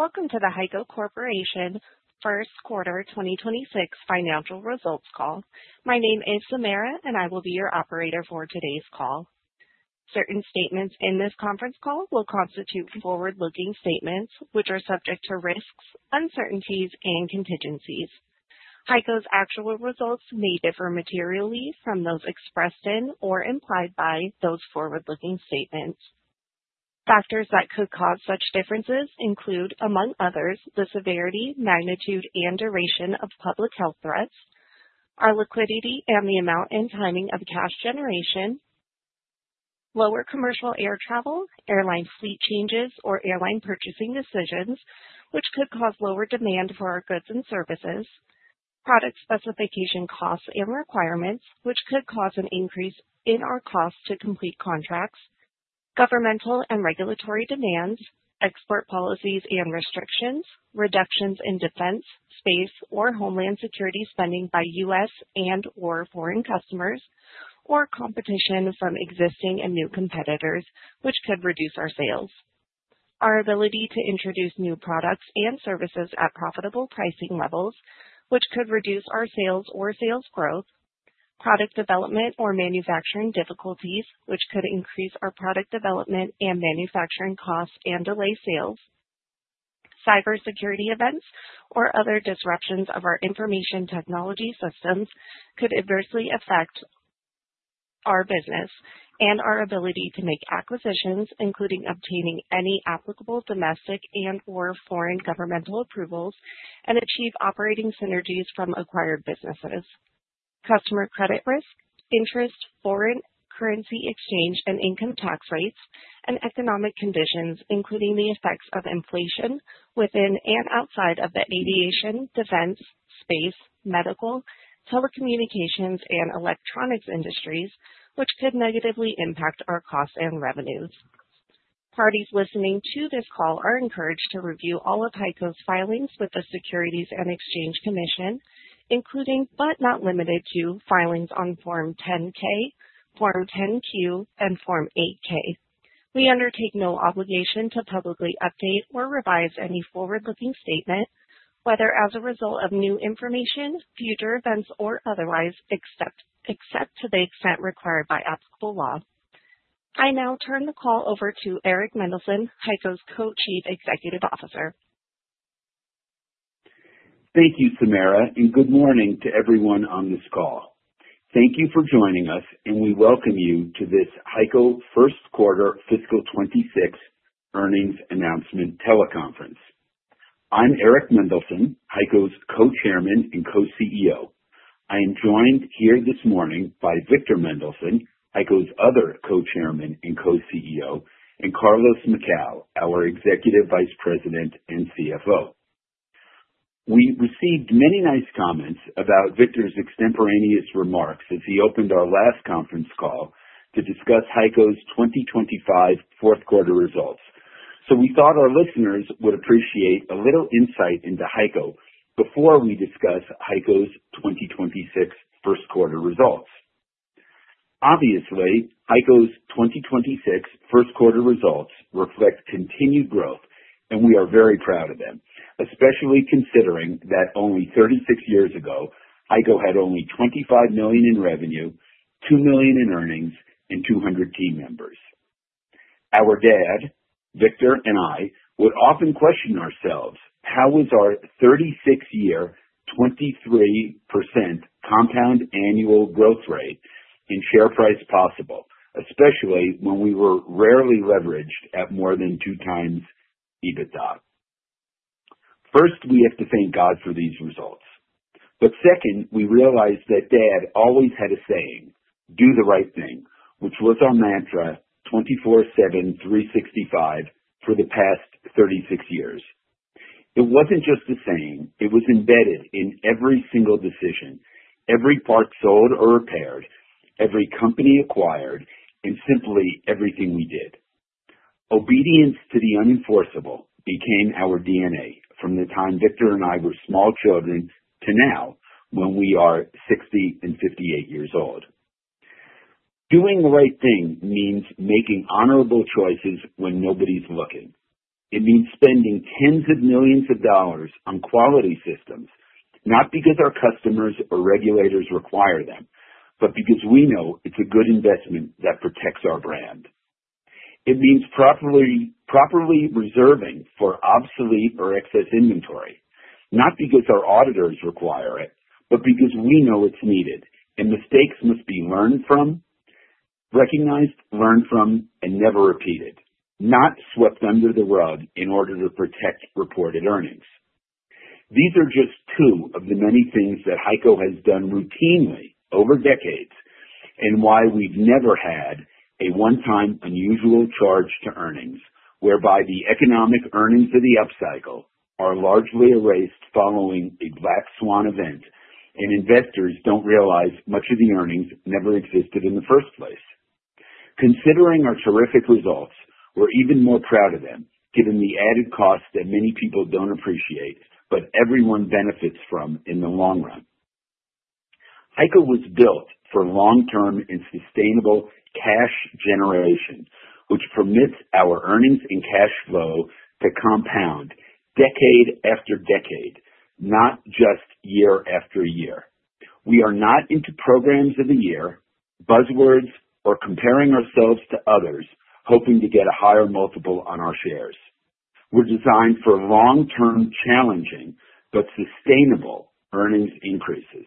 Welcome to the HEICO Corporation First Quarter 2026 financial results call. My name is Samara, and I will be your operator for today's call. Certain statements in this conference call will constitute forward-looking statements, which are subject to risks, uncertainties, and contingencies. HEICO's actual results may differ materially from those expressed in or implied by those forward-looking statements. Factors that could cause such differences include, among others, the severity, magnitude, and duration of public health threats, our liquidity and the amount and timing of cash generation, lower commercial air travel, airline fleet changes, or airline purchasing decisions, which could cause lower demand for our goods and services, product specification costs and requirements, which could cause an increase in our cost to complete contracts, governmental and regulatory demands, export policies and restrictions, reductions in defense, space, or homeland security spending by U.S. and/or foreign customers, or competition from existing and new competitors, which could reduce our sales. Our ability to introduce new products and services at profitable pricing levels, which could reduce our sales or sales growth, product development or manufacturing difficulties, which could increase our product development and manufacturing costs and delay sales. Cybersecurity events or other disruptions of our information technology systems could adversely affect our business and our ability to make acquisitions, including obtaining any applicable domestic and/or foreign governmental approvals and achieve operating synergies from acquired businesses. Customer credit risk, interest, foreign currency exchange and income tax rates, and economic conditions, including the effects of inflation within and outside of the aviation, defense, space, medical, telecommunications, and electronics industries, which could negatively impact our costs and revenues. Parties listening to this call are encouraged to review all of HEICO's filings with the Securities and Exchange Commission, including, but not limited to, filings on Form 10-K, Form 10-Q, and Form 8-K. We undertake no obligation to publicly update or revise any forward-looking statement, whether as a result of new information, future events, or otherwise, except to the extent required by applicable law. I now turn the call over to Eric Mendelson, HEICO's Co-chief Executive Officer. Thank you, Samara. Good morning to everyone on this call. Thank you for joining us. We welcome you to this HEICO first quarter fiscal 2026 earnings announcement teleconference. I'm Eric Mendelson, HEICO's Co-Chairman and Co-CEO. I am joined here this morning by Victor Mendelson, HEICO's other Co-Chairman and Co-CEO, and Carlos Macau, our Executive Vice President and CFO. We received many nice comments about Victor's extemporaneous remarks as he opened our last conference call to discuss HEICO's 2025 fourth quarter results. We thought our listeners would appreciate a little insight into HEICO before we discuss HEICO's 2026 first quarter results. Obviously, HEICO's 2026 first quarter results reflect continued growth, and we are very proud of them, especially considering that only 36 years ago, HEICO had only $25 million in revenue, $2 million in earnings, and 200 team members. Our dad, Victor, and I would often question ourselves: How was our 36 year, 23% compound annual growth rate and share price possible, especially when we were rarely leveraged at more than 2 times EBITDA? First, we have to thank God for these results. Second, we realized that Dad always had a saying, "Do the right thing," which was our mantra 24/7, 365 for the past 36 years. It wasn't just a saying, it was embedded in every single decision, every part sold or repaired, every company acquired, and simply everything we did. Obedience to the unenforceable became our DNA from the time Victor and I were small children to now, when we are 60 and 58 years old. Doing the right thing means making honorable choices when nobody's looking. It means spending tens of millions of dollars on quality systems, not because our customers or regulators require them, but because we know it's a good investment that protects our brand. It means properly reserving for obsolete or excess inventory, not because our auditors require it, but because we know it's needed and mistakes must be learned from, recognized, and never repeated, not swept under the rug in order to protect reported earnings. These are just two of the many things that HEICO has done routinely over decades, and why we've never had a one-time unusual charge to earnings, whereby the economic earnings of the upcycle are largely erased following a black swan event, and investors don't realize much of the earnings never existed in the first place. Considering our terrific results, we're even more proud of them, given the added cost that many people don't appreciate, but everyone benefits from in the long run.... HEICO was built for long-term and sustainable cash generation, which permits our earnings and cash flow to compound decade after decade, not just year after year. We are not into programs of the year, buzzwords, or comparing ourselves to others, hoping to get a higher multiple on our shares. We're designed for long-term, challenging, but sustainable earnings increases.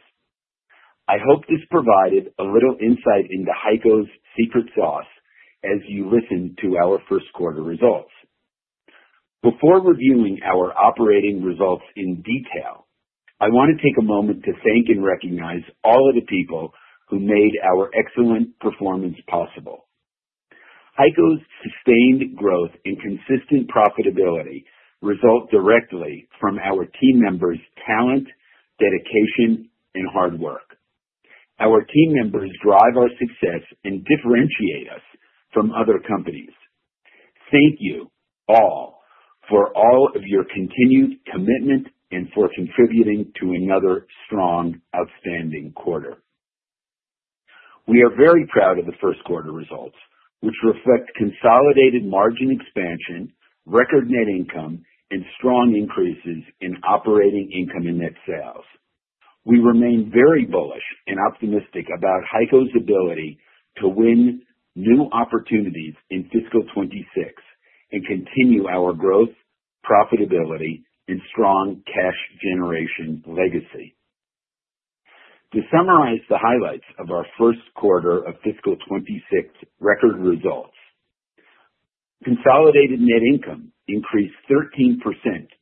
I hope this provided a little insight into HEICO's secret sauce as you listen to our first quarter results. Before reviewing our operating results in detail, I want to take a moment to thank and recognize all of the people who made our excellent performance possible. HEICO's sustained growth and consistent profitability result directly from our team members' talent, dedication, and hard work. Our team members drive our success and differentiate us from other companies. Thank you all for all of your continued commitment and for contributing to another strong, outstanding quarter. We are very proud of the first quarter results, which reflect consolidated margin expansion, record net income, and strong increases in operating income and net sales. We remain very bullish and optimistic about HEICO's ability to win new opportunities in fiscal 26 and continue our growth, profitability, and strong cash generation legacy. To summarize the highlights of our first quarter of fiscal 26 record results: consolidated net income increased 13%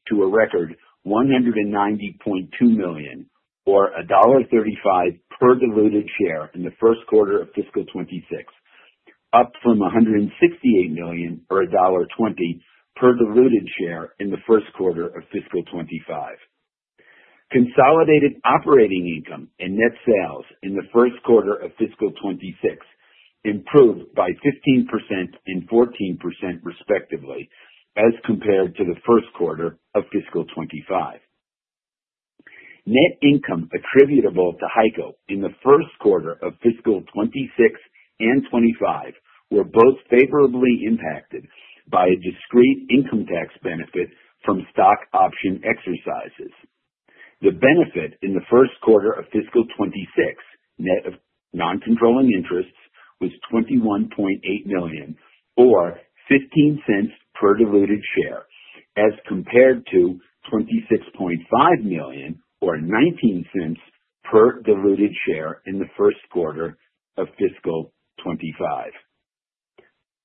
to a record $190.2 million, or $1.35 per diluted share in the first quarter of fiscal 26, up from $168 million or $1.20 per diluted share in the first quarter of fiscal 25. Consolidated operating income and net sales in the first quarter of fiscal 2026 improved by 15% and 14%, respectively, as compared to the first quarter of fiscal 2025. Net income attributable to HEICO in the first quarter of fiscal 2026 and 2025 were both favorably impacted by a discrete income tax benefit from stock option exercises. The benefit in the first quarter of fiscal 2026, net of non-controlling interests, was $21.8 million, or $0.15 per diluted share, as compared to $26.5 million, or $0.19 per diluted share in the first quarter of fiscal 2025.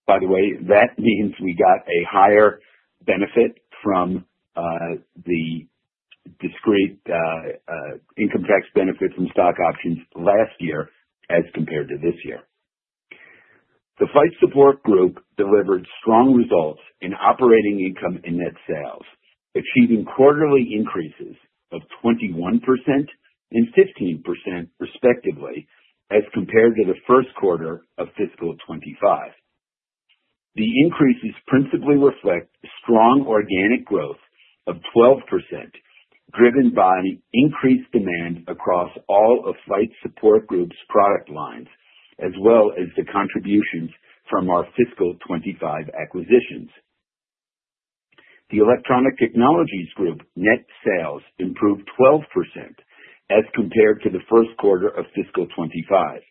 That means we got a higher benefit from the discrete income tax benefit from stock options last year as compared to this year. The Flight Support Group delivered strong results in operating income and net sales, achieving quarterly increases of 21% and 15%, respectively, as compared to the 1st quarter of fiscal 2025. The increases principally reflect strong organic growth of 12%, driven by increased demand across all of Flight Support Group's product lines, as well as the contributions from our fiscal 2025 acquisitions. The Electronic Technologies Group net sales improved 12% as compared to the 1st quarter of fiscal 2025.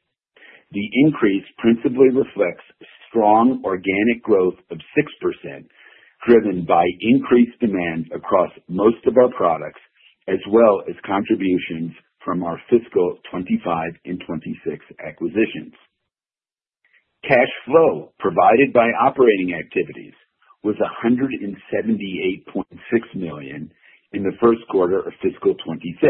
The increase principally reflects strong organic growth of 6%, driven by increased demand across most of our products, as well as contributions from our fiscal 2025 and 2026 acquisitions. Cash flow provided by operating activities was $178.6 million in the 1st quarter of fiscal 2026.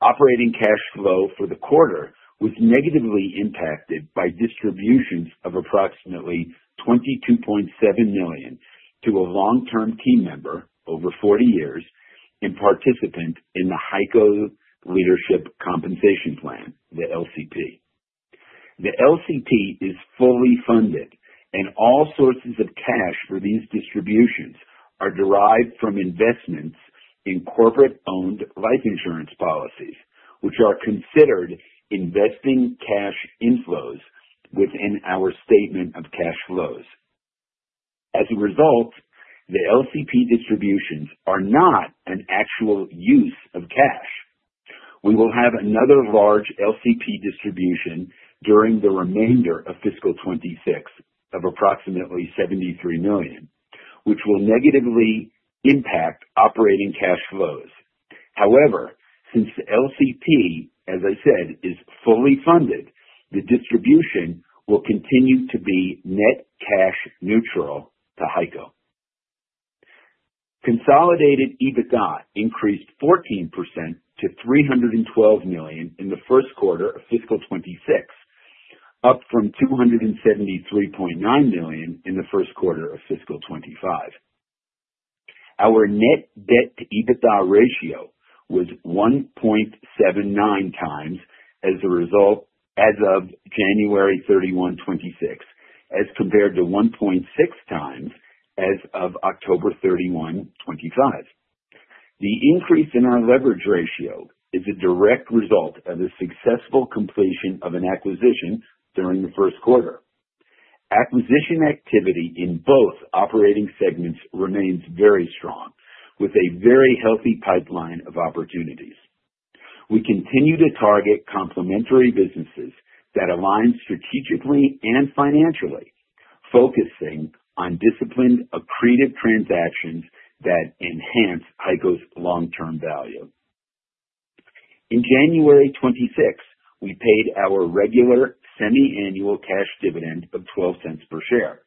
Operating cash flow for the quarter was negatively impacted by distributions of approximately $22.7 million to a long-term team member, over 40 years, and participant in the HEICO Leadership Compensation Plan, the LCP. The LCP is fully funded, and all sources of cash for these distributions are derived from investments in corporate-owned life insurance policies, which are considered investing cash inflows within our statement of cash flows. As a result, the LCP distributions are not an actual use of cash. We will have another large LCP distribution during the remainder of fiscal 2026 of approximately $73 million, which will negatively impact operating cash flows. Since the LCP, as I said, is fully funded, the distribution will continue to be net cash neutral to HEICO. Consolidated EBITDA increased 14% to $312 million in the first quarter of fiscal 2026, up from $273.9 million in the first quarter of fiscal 2025. Our net debt-to-EBITDA ratio was 1.79 times as a result as of January 31, 2026, as compared to 1.6 times as of October 31, 2025. The increase in our leverage ratio is a direct result of the successful completion of an acquisition during the first quarter. Acquisition activity in both operating segments remains very strong, with a very healthy pipeline of opportunities. We continue to target complementary businesses that align strategically and financially, focusing on disciplined, accretive transactions that enhance HEICO's long-term value. In January 26, we paid our regular semiannual cash dividend of $0.12 per share.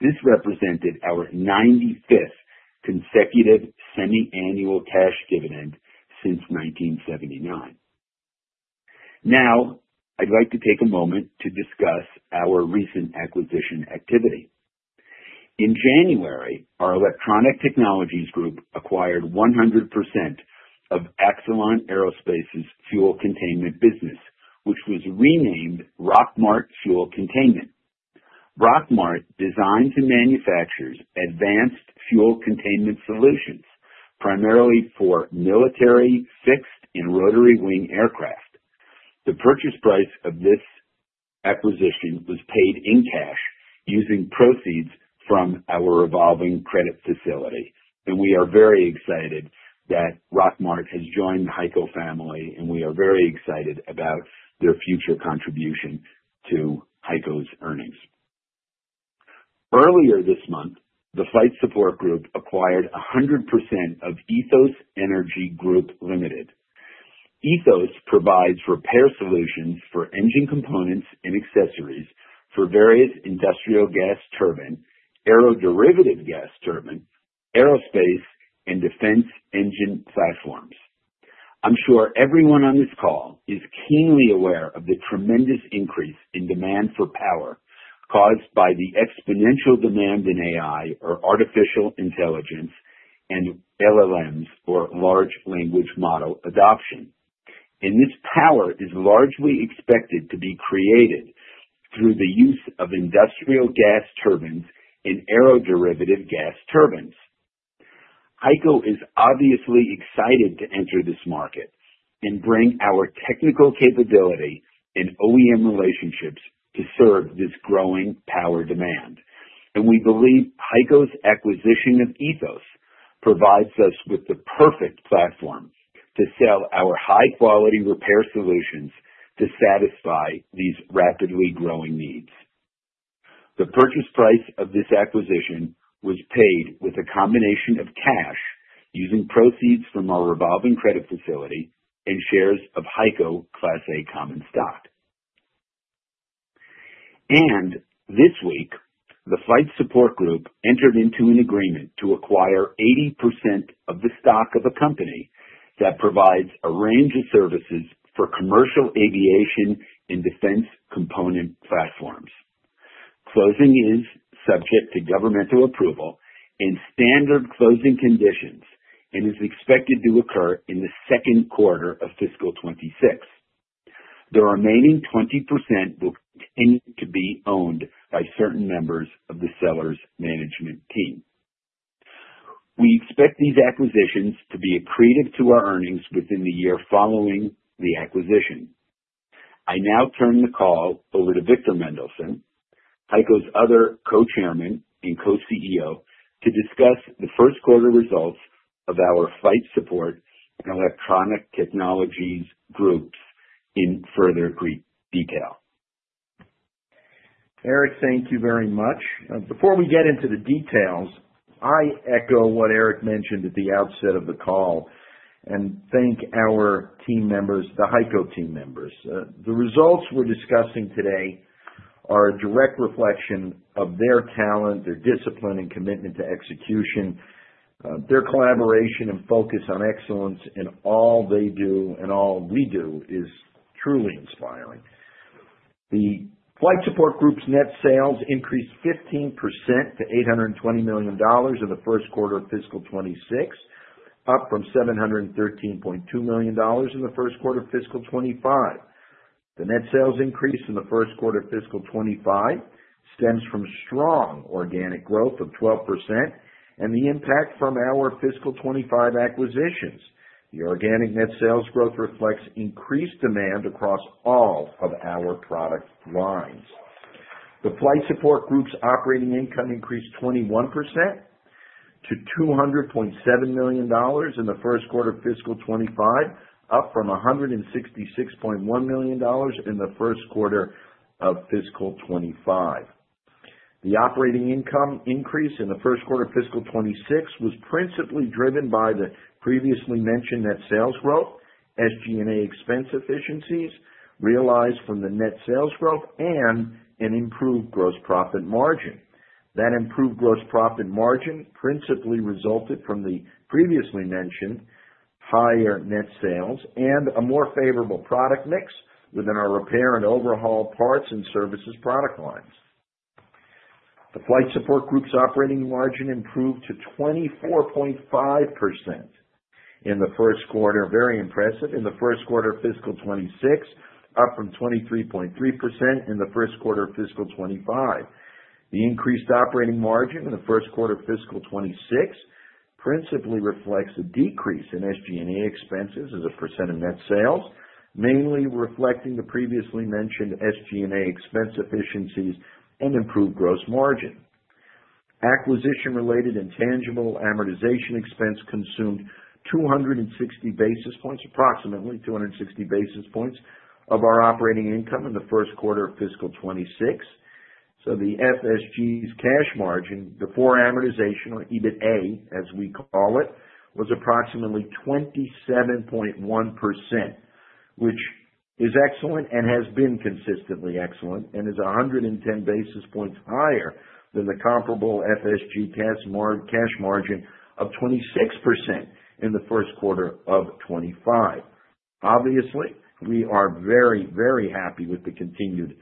This represented our 95th consecutive semiannual cash dividend since 1979. Now, I'd like to take a moment to discuss our recent acquisition activity. In January, our Electronic Technologies Group acquired 100% of Axillon Aerospace's fuel containment business, which was renamed Rockmart Fuel Containment. Rockmart designs and manufactures advanced fuel containment solutions, primarily for military, fixed, and rotary wing aircraft. The purchase price of this acquisition was paid in cash using proceeds from our revolving credit facility. We are very excited that Rockmart has joined the HEICO family, and we are very excited about their future contribution to HEICO's earnings. Earlier this month, the Flight Support Group acquired 100% of EthosEnergy Accessories and Components Limited. Ethos provides repair solutions for engine components and accessories for various industrial gas turbine, aeroderivative gas turbine, aerospace, and defense engine platforms. I'm sure everyone on this call is keenly aware of the tremendous increase in demand for power caused by the exponential demand in AI, or artificial intelligence, and LLMs, or large language model adoption. This power is largely expected to be created through the use of industrial gas turbines and aeroderivative gas turbines. HEICO is obviously excited to enter this market and bring our technical capability and OEM relationships to serve this growing power demand. We believe HEICO's acquisition of Ethos provides us with the perfect platform to sell our high-quality repair solutions to satisfy these rapidly growing needs. The purchase price of this acquisition was paid with a combination of cash, using proceeds from our revolving credit facility and shares of HEICO Class A common stock. This week, the Flight Support Group entered into an agreement to acquire 80% of the stock of a company that provides a range of services for commercial aviation and defense component platforms. Closing is subject to governmental approval and standard closing conditions and is expected to occur in the second quarter of fiscal 2026. The remaining 20% will continue to be owned by certain members of the seller's management team. We expect these acquisitions to be accretive to our earnings within the year following the acquisition. I now turn the call over to Victor Mendelson, HEICO's other Co-chairman and Co-CEO, to discuss the first quarter results of our Flight Support and Electronic Technologies Groups in further detail. Eric, thank you very much. Before we get into the details, I echo what Eric mentioned at the outset of the call and thank our team members, the HEICO team members. The results we're discussing today are a direct reflection of their talent, their discipline, and commitment to execution. Their collaboration and focus on excellence in all they do and all we do is truly inspiring. The Flight Support Group's net sales increased 15% to $820 million in the first quarter of fiscal 2026, up from $713.2 million in the first quarter of fiscal 2025. The net sales increase in the first quarter of fiscal 2025 stems from strong organic growth of 12% and the impact from our fiscal 2025 acquisitions. The organic net sales growth reflects increased demand across all of our product lines. The Flight Support Group's operating income increased 21% to $200.7 million in the first quarter of fiscal 2025, up from $166.1 million in the first quarter of fiscal 2025. The operating income increase in the first quarter of fiscal 2026 was principally driven by the previously mentioned net sales growth, SG&A expense efficiencies realized from the net sales growth, and an improved gross profit margin. That improved gross profit margin principally resulted from the previously mentioned higher net sales and a more favorable product mix within our repair and overhaul parts and services product lines. The Flight Support Group's operating margin improved to 24.5% in the first quarter, very impressive. In the first quarter of fiscal 2026, up from 23.3% in the first quarter of fiscal 2025. The increased operating margin in the first quarter of fiscal 2026 principally reflects a decrease in SG&A expenses as a % of net sales, mainly reflecting the previously mentioned SG&A expense efficiencies and improved gross margin. Acquisition-related intangible amortization expense consumed 260 basis points, approximately 260 basis points of our operating income in the first quarter of fiscal 2026. The FSG's cash margin, before amortization or EBITDA, as we call it, was approximately 27.1%, which is excellent and has been consistently excellent, and is 110 basis points higher than the comparable FSG cash margin of 26% in the first quarter of 2025. Obviously, we are very, very happy with the continued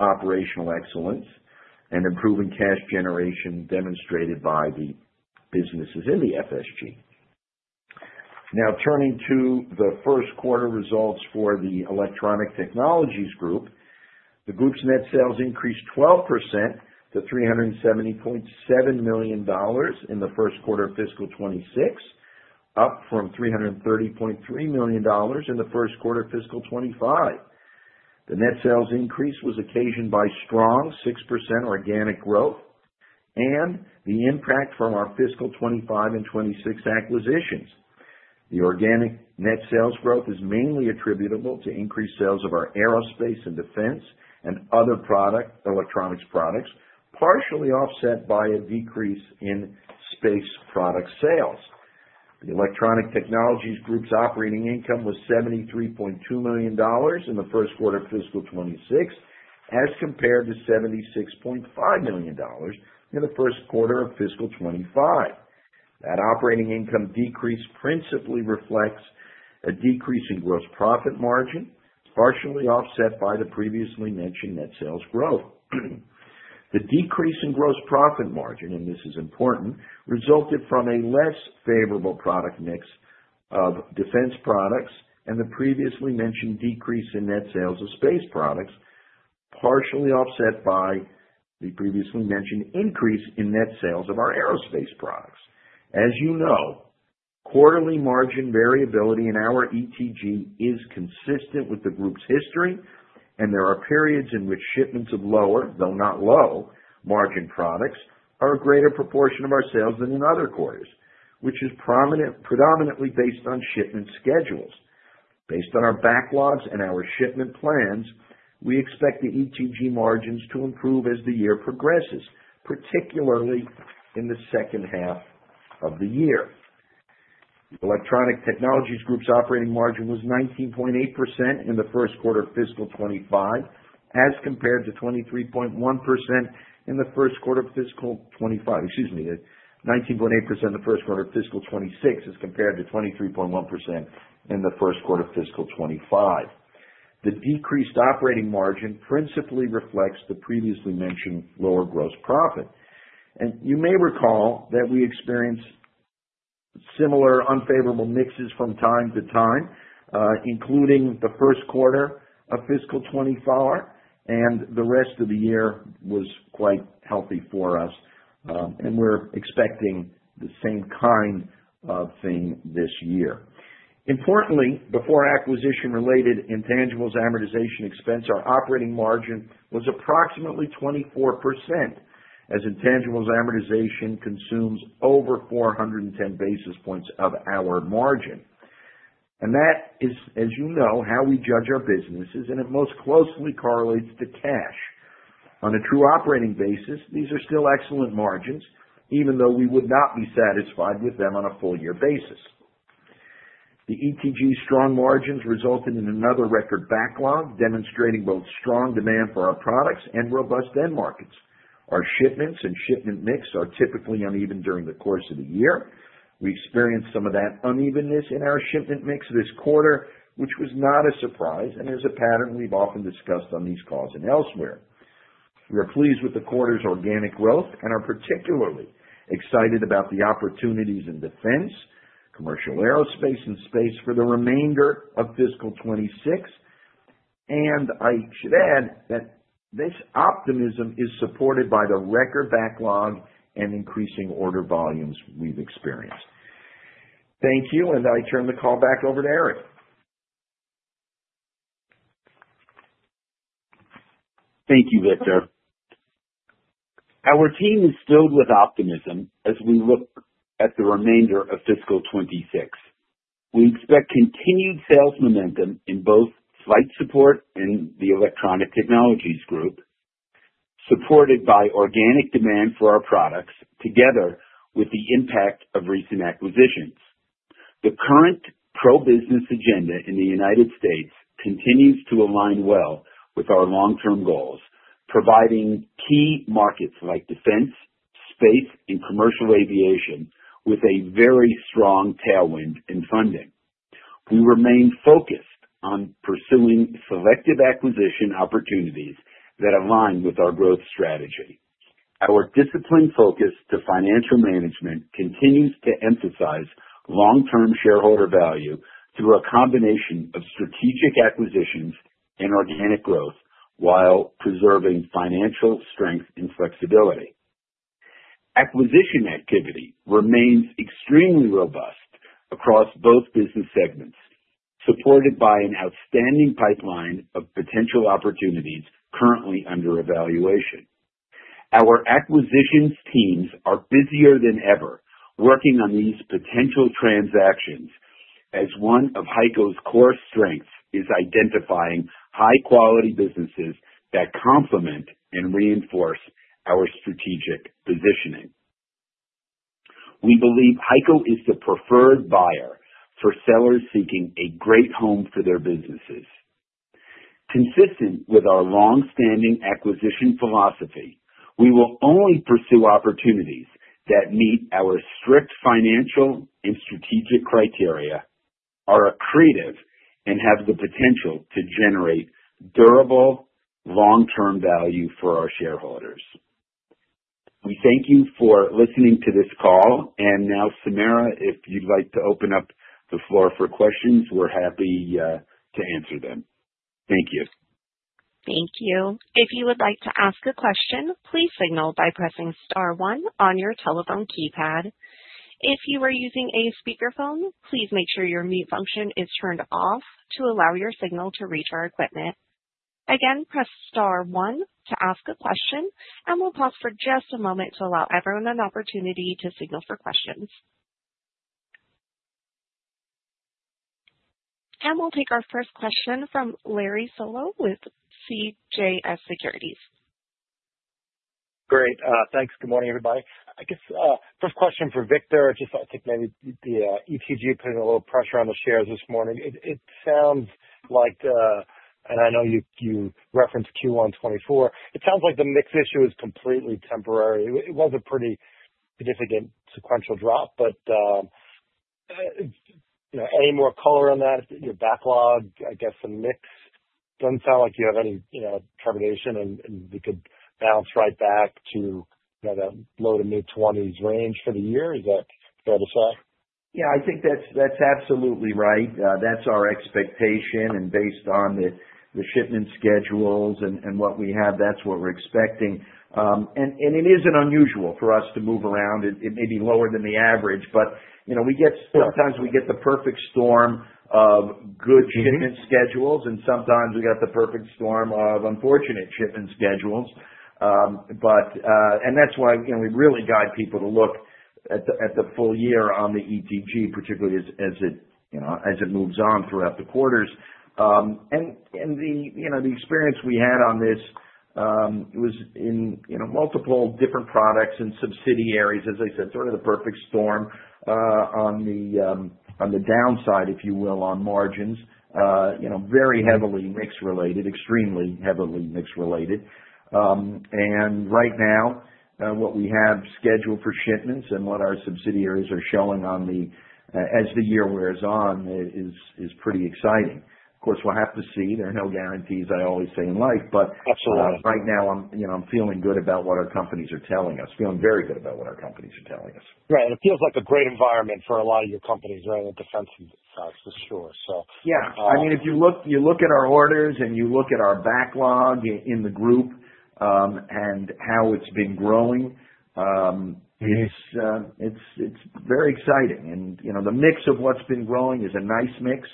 operational excellence and improving cash generation demonstrated by the businesses in the FSG. Now, turning to the first quarter results for the Electronic Technologies Group. The group's net sales increased 12% to $370.7 million in the first quarter of fiscal 2026, up from $330.3 million in the first quarter of fiscal 2025. The net sales increase was occasioned by strong 6% organic growth and the impact from our fiscal 2025 and 2026 acquisitions. The organic net sales growth is mainly attributable to increased sales of our aerospace and defense and other product, electronics products, partially offset by a decrease in space product sales. The Electronic Technologies Group's operating income was $73.2 million in the first quarter of fiscal 2026, as compared to $76.5 million in the first quarter of fiscal 2025. That operating income decrease principally reflects a decrease in gross profit margin, partially offset by the previously mentioned net sales growth. The decrease in gross profit margin, and this is important, resulted from a less favorable product mix of defense products and the previously mentioned decrease in net sales of space products, partially offset by the previously mentioned increase in net sales of our aerospace products. As you know, quarterly margin variability in our ETG is consistent with the group's history, and there are periods in which shipments of lower, though not low, margin products are a greater proportion of our sales than in other quarters, which is predominantly based on shipment schedules. Based on our backlogs and our shipment plans, we expect the ETG margins to improve as the year progresses, particularly in the second half of the year. Electronic Technologies Group's operating margin was 19.8% in the first quarter of fiscal 2025, as compared to 23.1% in the first quarter of fiscal 2025. Excuse me, 19.8% in the first quarter of fiscal 2026, as compared to 23.1% in the first quarter of fiscal 2025. The decreased operating margin principally reflects the previously mentioned lower gross profit. You may recall that we experienced similar unfavorable mixes from time to time, including the first quarter of fiscal 2024, and the rest of the year was quite healthy for us, and we're expecting the same kind of thing this year. Importantly, before acquisition-related intangibles amortization expense, our operating margin was approximately 24%, as intangibles amortization consumes over 410 basis points of our margin. That is, as you know, how we judge our businesses, and it most closely correlates to cash. On a true operating basis, these are still excellent margins, even though we would not be satisfied with them on a full year basis. The ETG's strong margins resulted in another record backlog, demonstrating both strong demand for our products and robust end markets. Our shipments and shipment mix are typically uneven during the course of the year. We experienced some of that unevenness in our shipment mix this quarter, which was not a surprise, and is a pattern we've often discussed on these calls and elsewhere. We are pleased with the quarter's organic growth and are particularly excited about the opportunities in defense, commercial aerospace and space for the remainder of fiscal 2026. I should add that this optimism is supported by the record backlog and increasing order volumes we've experienced. Thank you. I turn the call back over to Eric. Thank you, Victor. Our team is filled with optimism as we look at the remainder of fiscal 2026. We expect continued sales momentum in both Flight Support and the Electronic Technologies Group, supported by organic demand for our products, together with the impact of recent acquisitions. The current pro-business agenda in the United States continues to align well with our long-term goals, providing key markets like defense, space, and commercial aviation with a very strong tailwind in funding. We remain focused on pursuing selective acquisition opportunities that align with our growth strategy. Our disciplined focus to financial management continues to emphasize long-term shareholder value through a combination of strategic acquisitions and organic growth, while preserving financial strength and flexibility. Acquisition activity remains extremely robust across both business segments, supported by an outstanding pipeline of potential opportunities currently under evaluation. Our acquisitions teams are busier than ever working on these potential transactions, as one of HEICO's core strengths is identifying high quality businesses that complement and reinforce our strategic positioning. We believe HEICO is the preferred buyer for sellers seeking a great home for their businesses. Consistent with our long-standing acquisition philosophy, we will only pursue opportunities that meet our strict financial and strategic criteria, are accretive, and have the potential to generate durable, long-term value for our shareholders. We thank you for listening to this call. Now, Samara, if you'd like to open up the floor for questions, we're happy to answer them. Thank you. Thank you. If you would like to ask a question, please signal by pressing star one on your telephone keypad. If you are using a speakerphone, please make sure your mute function is turned off to allow your signal to reach our equipment. Again, press star one to ask a question, we'll pause for just a moment to allow everyone an opportunity to signal for questions. We'll take our first question from Larry Solow with CJS Securities. Great. Thanks. Good morning, everybody. I guess, first question for Victor. Just I think maybe the ETG putting a little pressure on the shares this morning. It sounds like, and I know you referenced Q1 2024, it sounds like the mix issue is completely temporary. It was a pretty significant sequential drop, but, you know, any more color on that, your backlog? I guess the mix doesn't sound like you have any, you know, trepidation and we could bounce right back to, you know, the low to mid-twenties range for the year. Is that fair to say? Yeah, I think that's absolutely right. That's our expectation. Based on the shipment schedules and what we have, that's what we're expecting. It isn't unusual for us to move around. It may be lower than the average, but, you know, sometimes we get the perfect storm of good shipment schedules, and sometimes we get the perfect storm of unfortunate shipment schedules. That's why, you know, we really guide people to look at the full year on the ETG, particularly as it, you know, as it moves on throughout the quarters. The, you know, the experience we had on this, was in, you know, multiple different products and subsidiaries, as I said, sort of the perfect storm, on the downside, if you will, on margins. you know, very heavily mix related, extremely heavily mix related. Right now, what we have scheduled for shipments and what our subsidiaries are showing on the, as the year wears on is pretty exciting. Of course, we'll have to see. There are no guarantees, I always say, in life. Absolutely. right now I'm, you know, I'm feeling good about what our companies are telling us. Feeling very good about what our companies are telling us. Right. It feels like a great environment for a lot of your companies right now in the defense space, for sure. Yeah. I mean, if you look at our orders and you look at our backlog in the group, how it's been growing. Mm-hmm. It's very exciting. You know, the mix of what's been growing is a nice mix,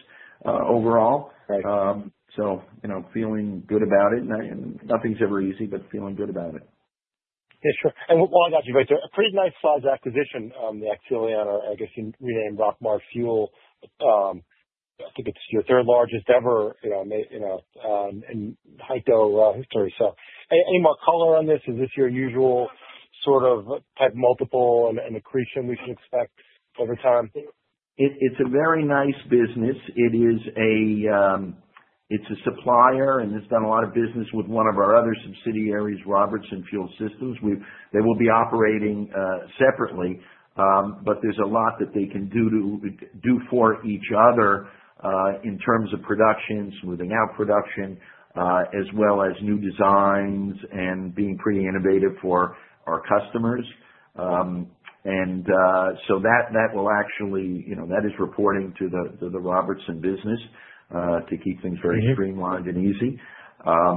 overall. Right. you know, feeling good about it. Nothing's ever easy, but feeling good about it. Yeah, sure. While I got you, Victor, a pretty nice size acquisition on the Axillon, I guess, you renamed Rockmart Fuel Containment. I think it's your third largest ever, you know, you know, in HEICO history. Any more color on this? Is this your usual sort of type, multiple and accretion we should expect over time? It's a very nice business. It is a, it's a supplier. It's done a lot of business with one of our other subsidiaries, Robertson Fuel Systems. They will be operating separately. There's a lot that they can do for each other, in terms of production, smoothing out production, as well as new designs and being pretty innovative for our customers. That will actually, you know, that is reporting to the Robertson business. Mm-hmm streamlined and easy. I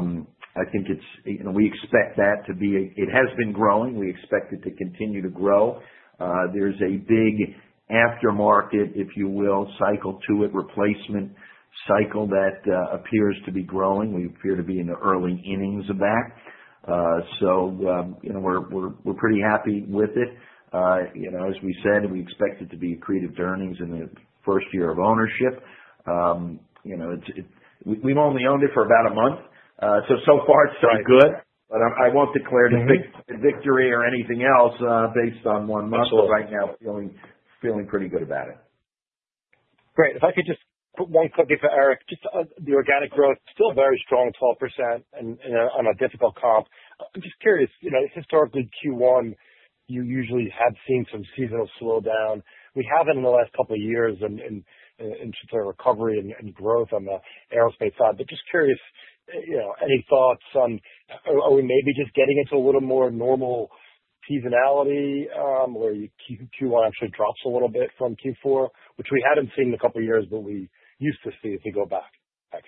think it's, you know, we expect that to be. It has been growing. We expect it to continue to grow. There's a big aftermarket, if you will, cycle to it, replacement cycle, that appears to be growing. We appear to be in the early innings of that. You know, we're pretty happy with it. You know, as we said, we expect it to be accretive to earnings in the first year of ownership. You know, it, we've only owned it for about a month. So far so good. Right. I won't declare the. Mm-hmm victory or anything else, based on one month. Sure. Right now, feeling pretty good about it. Great. If I could just put one quickie for Eric, just the organic growth, still very strong, at 12% and, you know, on a difficult comp. I'm just curious, you know, historically, you usually had seen some seasonal slowdown. We haven't in the last couple of years in terms of recovery and growth on the aerospace side. Just curious, you know, any thoughts on are we maybe just getting into a little more normal seasonality, where Q1 actually drops a little bit from Q4, which we haven't seen in a couple years, but we used to see if you go back? Thanks.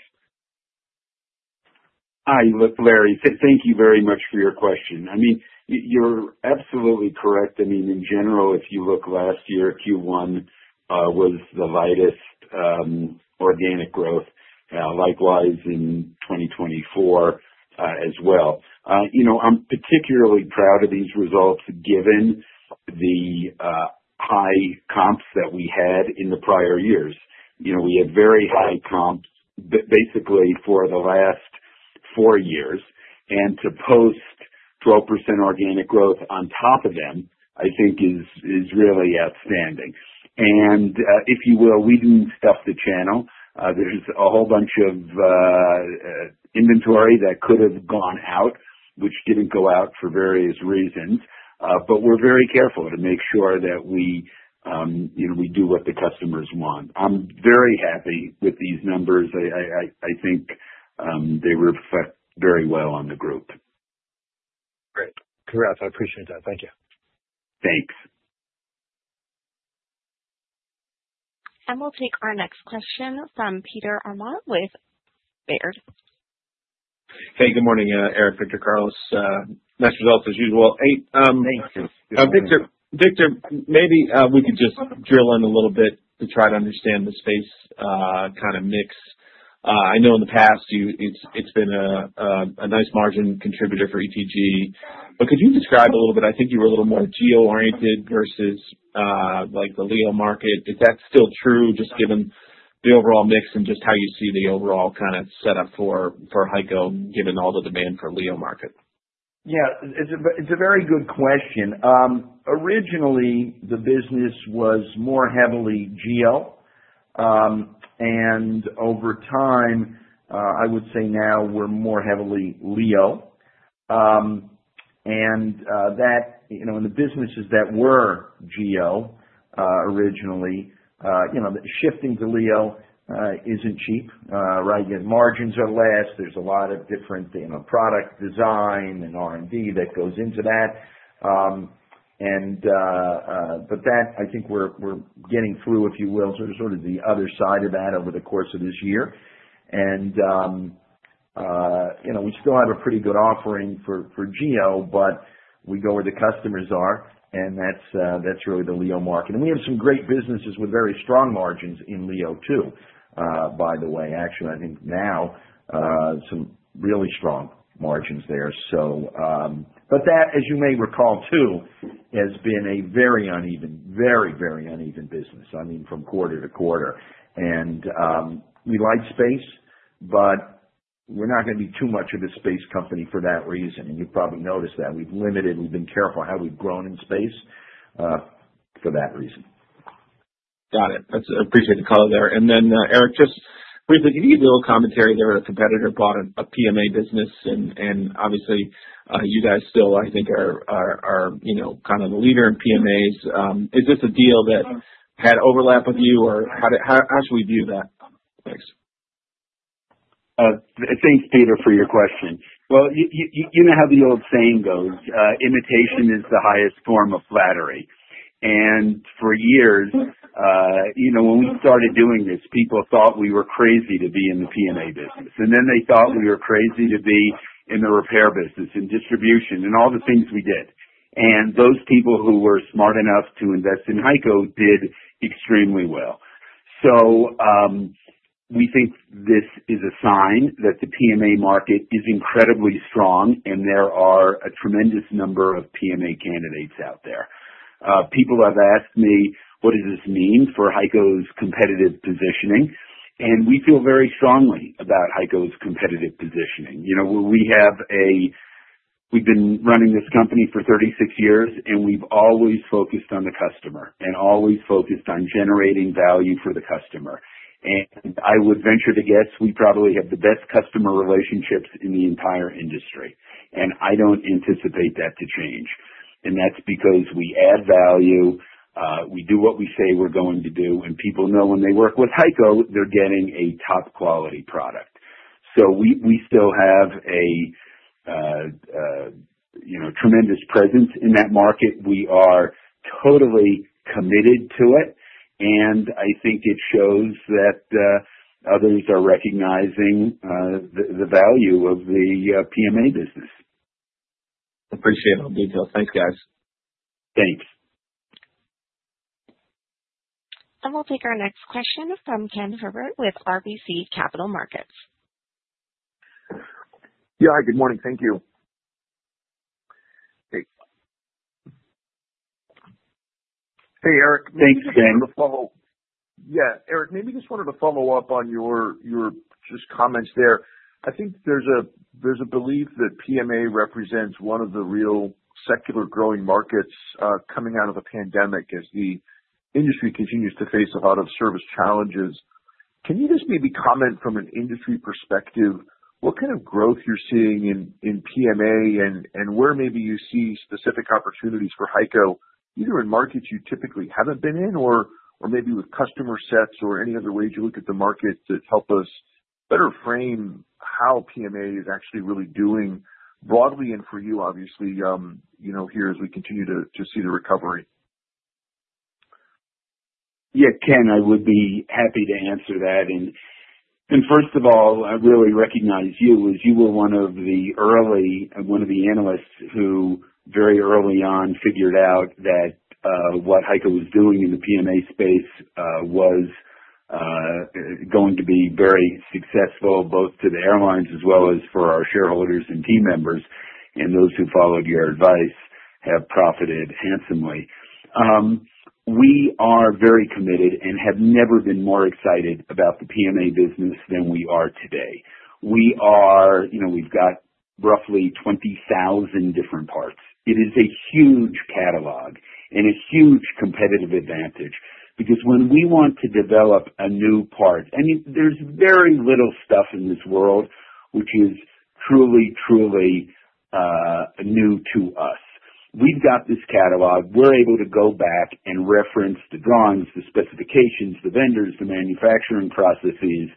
Hi, look, Larry, thank you very much for your question. I mean, you're absolutely correct. I mean, in general, if you look last year, Q1, was the lightest, organic growth, likewise in 2024, as well. You know, I'm particularly proud of these results given the high comps that we had in the prior years. You know, we had very high comps basically for the last four years, and to post 12% organic growth on top of them, I think is really outstanding. If you will, we didn't stuff the channel. There's a whole bunch of inventory that could have gone out, which didn't go out for various reasons, but we're very careful to make sure that we, you know, we do what the customers want. I'm very happy with these numbers. I think they reflect very well on the group. Great. Congrats. I appreciate that. Thank you. Thanks. We'll take our next question from Peter Arment with Baird. Hey, good morning, Eric, Victor Carlos. Nice results as usual. Thank you. Victor, maybe we could just drill in a little bit to try to understand the space kind of mix. I know in the past, it's been a nice margin contributor for ETG, but could you describe a little bit? I think you were a little more GEO-oriented versus, like, the LEO market. Is that still true, just given the overall mix and just how you see the overall kind of setup for HEICO, given all the demand for LEO market? Yeah, it's a very good question. Originally, the business was more heavily GEO, and over time, I would say now we're more heavily LEO. That, you know, in the businesses that were GEO, originally, you know, shifting to LEO isn't cheap, right? Yet margins are less, there's a lot of different, you know, product design and R&D that goes into that. That I think we're getting through, if you will, so sort of the other side of that over the course of this year. You know, we still have a pretty good offering for GEO, but we go where the customers are, and that's really the LEO market. We have some great businesses with very strong margins in LEO, too, by the way. Actually, I think now, some really strong margins there. But that, as you may recall, too, has been a very uneven, very, very uneven business, I mean, from quarter to quarter. We like space, but we're not gonna be too much of a space company for that reason. you've probably noticed that. We've limited, we've been careful how we've grown in space, for that reason. Got it. I appreciate the color there. Eric, just briefly, can you give me a little commentary there? A competitor bought a PMA business, and obviously, you guys still, I think are, you know, kind of the leader in PMAs. Is this a deal that had overlap with you, or how should we view that? Thanks. Thanks, Peter, for your question. Well, you know how the old saying goes, imitation is the highest form of flattery. For years, you know, when we started doing this, people thought we were crazy to be in the PMA business, and then they thought we were crazy to be in the repair business, in distribution, and all the things we did. Those people who were smart enough to invest in HEICO did extremely well. We think this is a sign that the PMA market is incredibly strong, and there are a tremendous number of PMA candidates out there. People have asked me, "What does this mean for HEICO's competitive positioning?" We feel very strongly about HEICO's competitive positioning. You know, we've been running this company for 36 years, we've always focused on the customer and always focused on generating value for the customer. I would venture to guess we probably have the best customer relationships in the entire industry, I don't anticipate that to change. That's because we add value, we do what we say we're going to do, people know when they work with HEICO, they're getting a top-quality product. We still have a, you know, tremendous presence in that market. We are totally committed to it, I think it shows that others are recognizing the value of the PMA business. Appreciate all the detail. Thanks, guys. Thanks. We'll take our next question from Ken Herbert with RBC Capital Markets. Yeah, hi. Good morning. Thank you. Hey. Hey, Eric. Thanks, Ken. Yeah, Eric, maybe just wanted to follow up on your just comments there. I think there's a belief that PMA represents one of the real secular growing markets coming out of the pandemic, as the industry continues to face a lot of service challenges. Can you just maybe comment from an industry perspective, what kind of growth you're seeing in PMA and where maybe you see specific opportunities for HEICO, either in markets you typically haven't been in or maybe with customer sets or any other way you look at the market, to help us better frame how PMA is actually really doing broadly, and for you obviously, you know, here, as we continue to see the recovery? Yeah, Ken, I would be happy to answer that. First of all, I really recognize you, as you were one of the analysts who very early on figured out that what HEICO was doing in the PMA space was going to be very successful, both to the airlines as well as for our shareholders and team members. Those who followed your advice have profited handsomely. We are very committed and have never been more excited about the PMA business than we are today. You know, we've got roughly 20,000 different parts. It is a huge catalog and a huge competitive advantage because when we want to develop a new part. I mean, there's very little stuff in this world which is truly new to us. We've got this catalog. We're able to go back and reference the drawings, the specifications, the vendors, the manufacturing processes,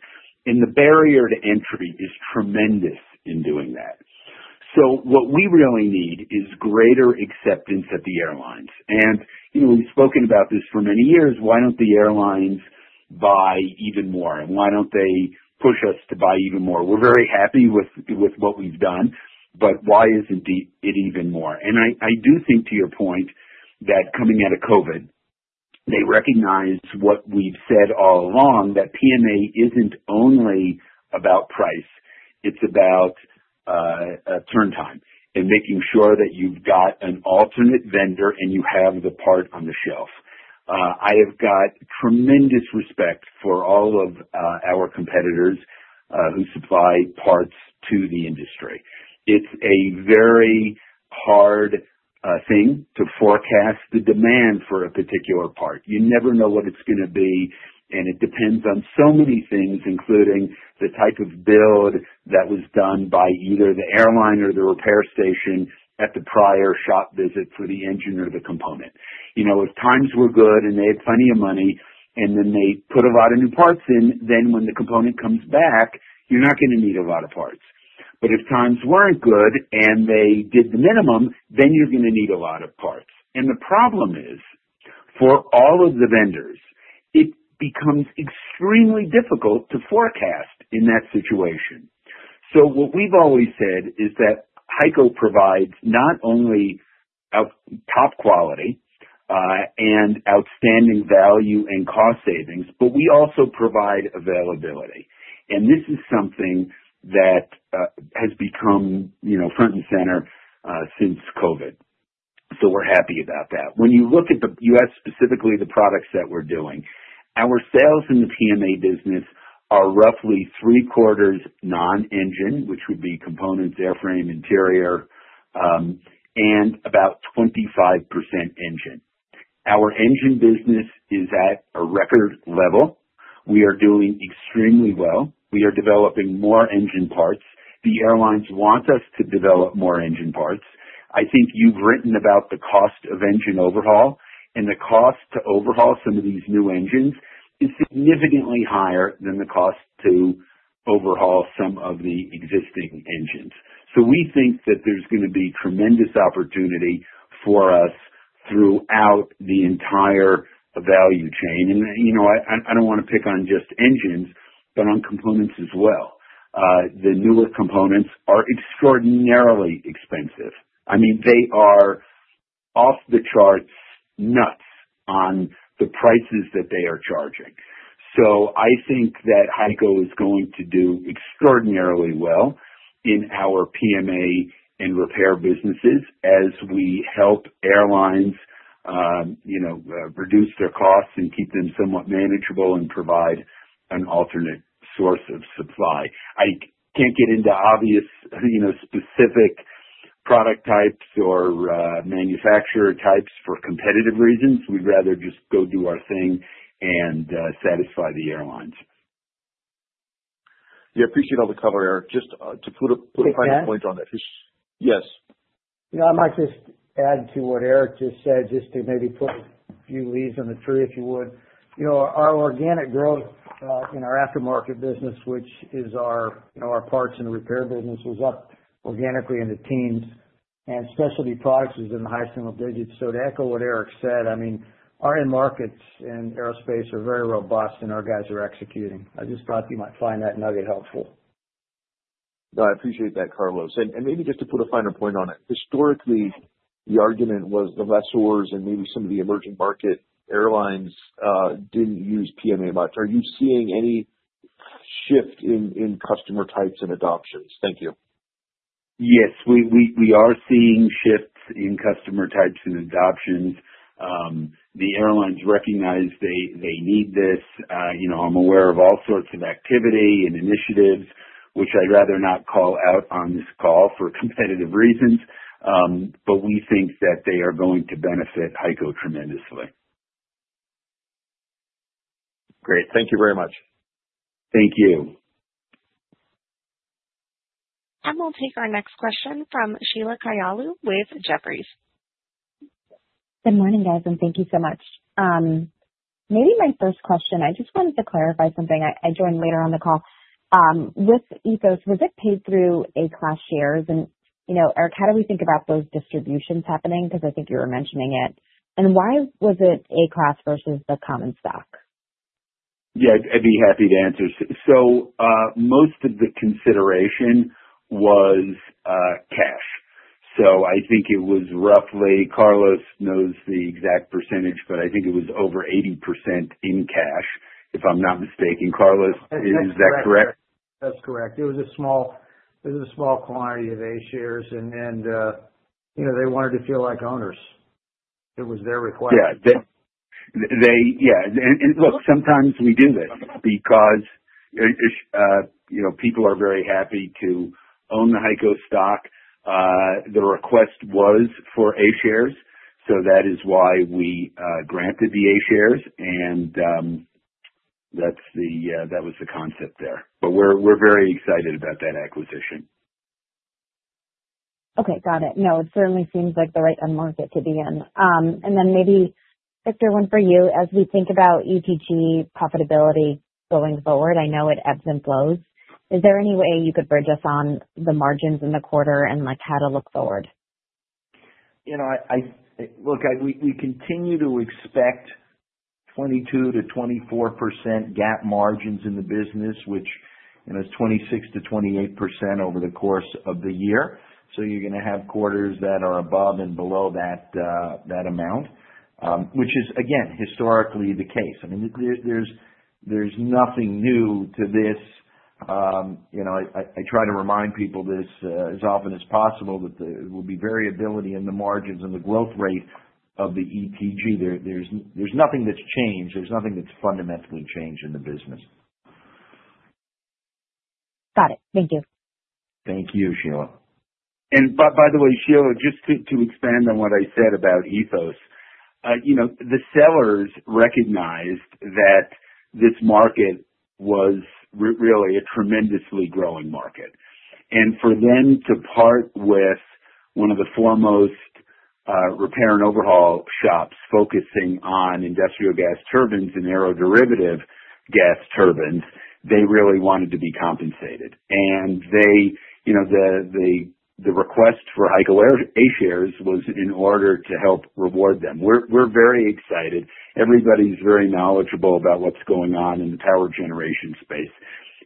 and the barrier to entry is tremendous in doing that. What we really need is greater acceptance at the airlines. You know, we've spoken about this for many years, why don't the airlines buy even more? Why don't they push us to buy even more? We're very happy with what we've done, why isn't it even more? I do think, to your point, that coming out of COVID, they recognized what we've said all along, that PMA isn't only about price, it's about turn time and making sure that you've got an alternate vendor and you have the part on the shelf. I have got tremendous respect for all of our competitors who supply parts to the industry. It's a very hard thing to forecast the demand for a particular part. You never know what it's gonna be, and it depends on so many things, including the type of build that was done by either the airline or the repair station at the prior shop visit for the engine or the component. If times were good and they had plenty of money, and then they put a lot of new parts in, then when the component comes back, you're not gonna need a lot of parts. If times weren't good and they did the minimum, then you're gonna need a lot of parts. The problem is, for all of the vendors, it becomes extremely difficult to forecast in that situation. What we've always said is that HEICO provides not only top quality, and outstanding value and cost savings, but we also provide availability. This is something that has become, you know, front and center, since COVID. We're happy about that. When you look at the you asked specifically the products that we're doing, our sales in the PMA business are roughly 3/4 non-engine, which would be components, airframe, interior, and about 25% engine. Our engine business is at a record level. We are doing extremely well. We are developing more engine parts. The airlines want us to develop more engine parts. I think you've written about the cost of engine overhaul, and the cost to overhaul some of these new engines is significantly higher than the cost to overhaul some of the existing engines. We think that there's gonna be tremendous opportunity for us throughout the entire value chain. You know, I don't wanna pick on just engines, but on components as well. The newer components are extraordinarily expensive. I mean, they are off the charts nuts on the prices that they are charging. I think that HEICO is going to do extraordinarily well in our PMA and repair businesses, as we help airlines, you know, reduce their costs and keep them somewhat manageable and provide an alternate source of supply. I can't get into obvious, you know, specific product types or manufacturer types for competitive reasons. We'd rather just go do our thing and satisfy the airlines. Yeah, appreciate all the color, Eric. Just to put a finer point on that. Hey, Ken? Yes. You know, I might just add to what Eric just said, just to maybe put a few leaves on the tree, if you would. You know, our organic growth in our aftermarket business, which is our, you know, our parts and repair business, was up organically in the teens, and specialty products was in the high single digits. To echo what Eric said, I mean, our end markets in aerospace are very robust, and our guys are executing. I just thought you might find that nugget helpful. No, I appreciate that, Carlos. Maybe just to put a finer point on it: historically, the argument was the lessors and maybe some of the emerging market airlines didn't use PMA much. Are you seeing any shift in customer types and adoptions? Thank you. Yes, we are seeing shifts in customer types and adoptions. The airlines recognize they need this. you know, I'm aware of all sorts of activity and initiatives.... which I'd rather not call out on this call for competitive reasons, but we think that they are going to benefit HEICO tremendously. Great, thank you very much. Thank you. We'll take our next question from Sheila Kahyaoglu with Jefferies. Good morning, guys, thank you so much. Maybe my first question, I just wanted to clarify something. I joined later on the call. With Ethos, was it paid through Class A shares? You know, Eric, how do we think about those distributions happening? 'Cause I think you were mentioning it. Why was it Class A versus the common stock? I'd be happy to answer. Most of the consideration was cash. I think it was roughly, Carlos knows the exact percentage, but I think it was over 80% in cash, if I'm not mistaken. Carlos, is that correct? That's correct. It was a small quantity of A shares and, you know, they wanted to feel like owners. It was their request. Yeah. They... Yeah. Look, sometimes we do this because, you know, people are very happy to own the HEICO stock. The request was for A shares. That is why we granted the A shares. That was the concept there. We're very excited about that acquisition. Okay, got it. It certainly seems like the right market to be in. Maybe, Victor, one for you. As we think about ETG profitability going forward, I know it ebbs and flows, is there any way you could bridge us on the margins in the quarter and, like, how to look forward? You know, I look, we continue to expect 22-24% GAAP margins in the business, which, you know, is 26-28% over the course of the year. You're gonna have quarters that are above and below that amount, which is, again, historically the case. I mean, there's nothing new to this. You know, I try to remind people this as often as possible, that there will be variability in the margins and the growth rate of the ETG. There's nothing that's changed. There's nothing that's fundamentally changed in the business. Got it. Thank you. Thank you, Sheila. By the way, Sheila, just to expand on what I said about Ethos, you know, the sellers recognized that this market was really a tremendously growing market. For them to part with one of the foremost repair and overhaul shops focusing on industrial gas turbines and aeroderivative gas turbines, they really wanted to be compensated. They, you know, the request for HEICO Class A shares was in order to help reward them. We're very excited. Everybody's very knowledgeable about what's going on in the power generation space.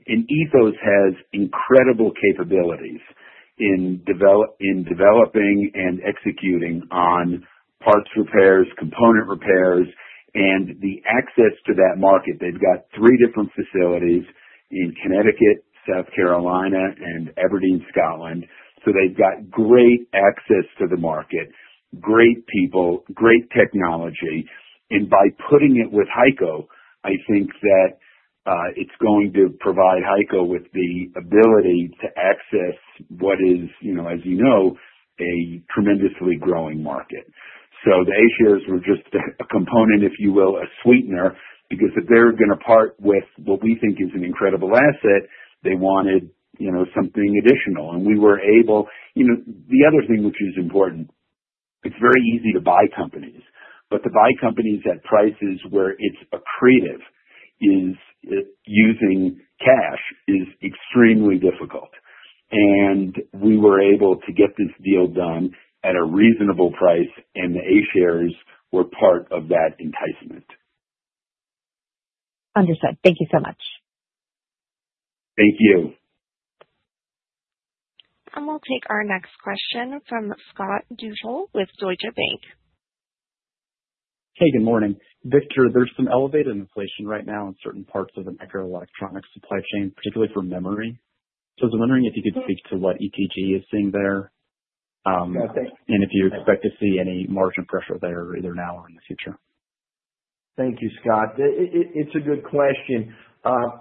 Ethos has incredible capabilities in developing and executing on parts repairs, component repairs, and the access to that market. They've got three different facilities in Connecticut, South Carolina, and Aberdeen, Scotland. They've got great access to the market, great people, great technology, and by putting it with HEICO, I think that it's going to provide HEICO with the ability to access what is, you know, as you know, a tremendously growing market. The A shares were just a component, if you will, a sweetener, because if they're gonna part with what we think is an incredible asset, they wanted, you know, something additional. We were able. You know, the other thing which is important, it's very easy to buy companies, but to buy companies at prices where it's accretive is using cash, is extremely difficult. We were able to get this deal done at a reasonable price, and the A shares were part of that enticement. Understood. Thank you so much. Thank you. We'll take our next question from Scott Deuschle with Deutsche Bank. Hey, good morning. Victor, there's some elevated inflation right now in certain parts of the microelectronic supply chain, particularly for memory. I was wondering if you could speak to what ETG is seeing there? Okay. If you expect to see any margin pressure there, either now or in the future? Thank you, Scott. It's a good question.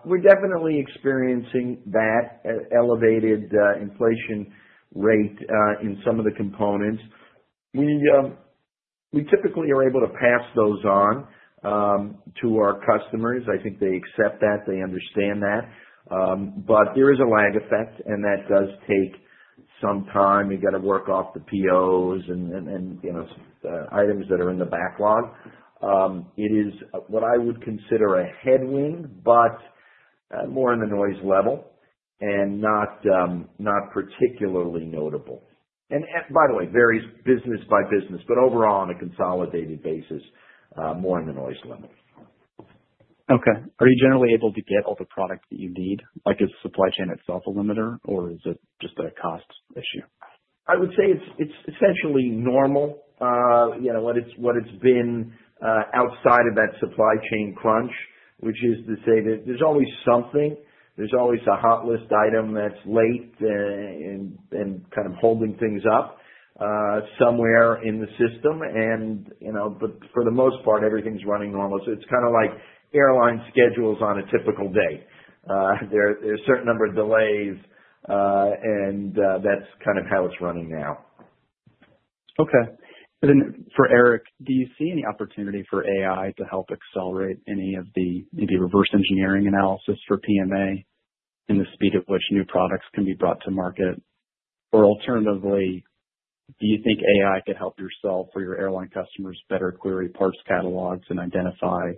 We're definitely experiencing that elevated inflation rate in some of the components. We typically are able to pass those on to our customers. I think they accept that, they understand that. There is a lag effect, and that does take some time. You've got to work off the POs and, you know, items that are in the backlog. It is what I would consider a headwind, but more in the noise level and not particularly notable. By the way, varies business by business, but overall, on a consolidated basis, more in the noise level. Okay. Are you generally able to get all the product that you need? Like, is the supply chain itself a limiter, or is it just a cost issue? I would say it's essentially normal, you know, what it's been, outside of that supply chain crunch, which is to say that there's always something. There's always a hot list item that's late, and kind of holding things up, somewhere in the system. You know, but for the most part, everything's running normal. It's kind of like airline schedules on a typical day. There's a certain number of delays, and that's kind of how it's running now. Okay. For Eric, do you see any opportunity for AI to help accelerate any of the, maybe, reverse engineering analysis for PMA and the speed at which new products can be brought to market? Alternatively, do you think AI could help yourself or your airline customers better query parts catalogs and identify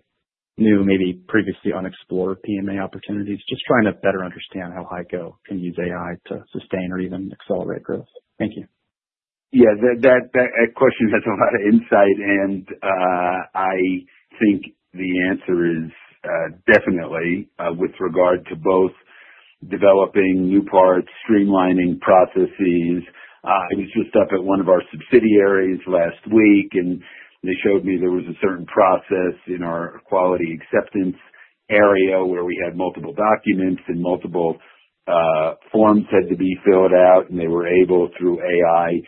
new, maybe previously unexplored, PMA opportunities? Just trying to better understand how HEICO can use AI to sustain or even accelerate growth. Thank you. That question has a lot of insight, and I think the answer is definitely with regard to both developing new parts, streamlining processes. I was just up at one of our subsidiaries last week, and they showed me there was a certain process in our quality acceptance area where we had multiple documents and multiple forms had to be filled out. They were able, through AI, to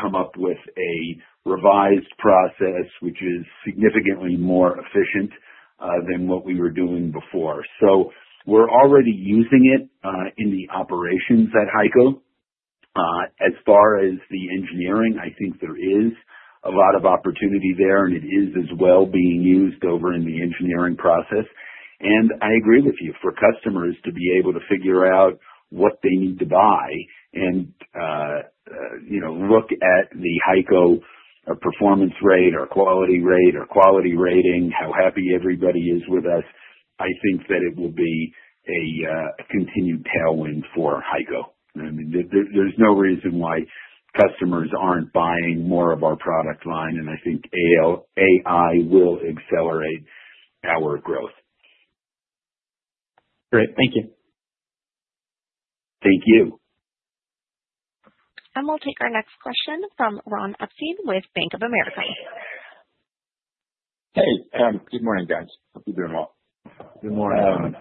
come up with a revised process, which is significantly more efficient than what we were doing before. We're already using it in the operations at HEICO. As far as the engineering, I think there is a lot of opportunity there, and it is as well being used over in the engineering process. I agree with you, for customers to be able to figure out what they need to buy and, you know, look at the HEICO performance rate or quality rate or quality rating, how happy everybody is with us, I think that it will be a continued tailwind for HEICO. I mean, there's no reason why customers aren't buying more of our product line. I think AI will accelerate our growth. Great. Thank you. Thank you. We'll take our next question from Ron Epstein with Bank of America. Hey, good morning, guys. Hope you're doing well. Good morning, Ron.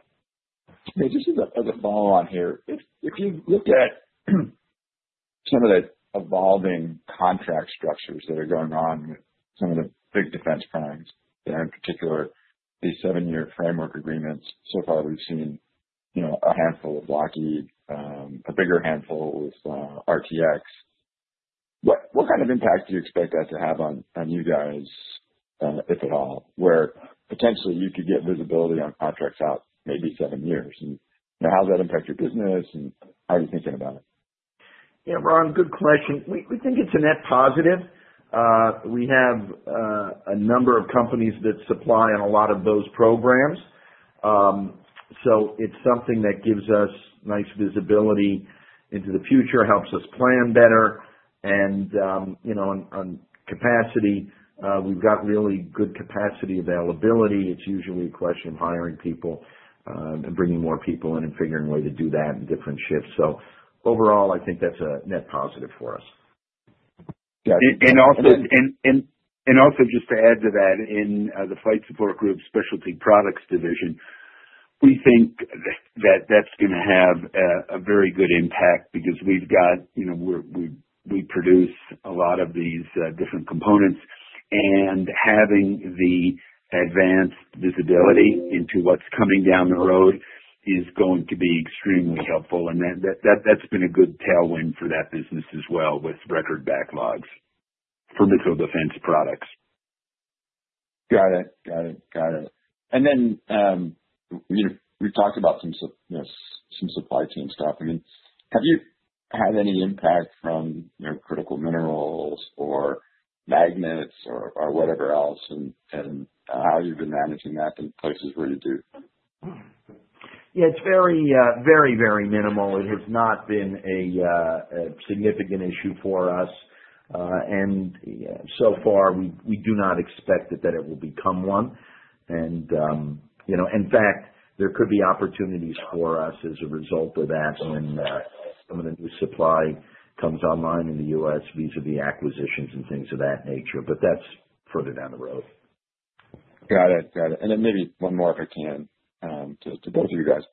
Hey, just as a follow on here, if you look at some of the evolving contract structures that are going on with some of the big defense primes, and in particular, the 7-year framework agreements, so far we've seen, you know, a handful with Lockheed, a bigger handful with RTX. What kind of impact do you expect that to have on you guys, if at all, where potentially you could get visibility on contracts out maybe 7 years? You know, how does that impact your business, and how are you thinking about it? Yeah, Ron, good question. We think it's a net positive. We have a number of companies that supply on a lot of those programs. It's something that gives us nice visibility into the future, helps us plan better, and, you know, on capacity, we've got really good capacity availability. It's usually a question of hiring people, and bringing more people in and figuring a way to do that, and different shifts. Overall, I think that's a net positive for us. Also, just to add to that, in the Flight Support Group's specialty products division, we think that's gonna have a very good impact because we've got you know, we produce a lot of these different components, and having the advanced visibility into what's coming down the road is going to be extremely helpful. That's been a good tailwind for that business as well, with record backlogs for middle defense products. Got it. Then, you know, we've talked about some you know, some supply chain stuff. I mean, have you had any impact from, you know, critical minerals or magnets or whatever else, and how you've been managing that in places where you do? Yeah, it's very minimal. It has not been a significant issue for us. So far, we do not expect that it will become one. You know, in fact, there could be opportunities for us as a result of that, and some of the new supply comes online in the U.S. vis-a-vis acquisitions and things of that nature, but that's further down the road. Got it. Got it. Then maybe one more, if I can, to both of you guys.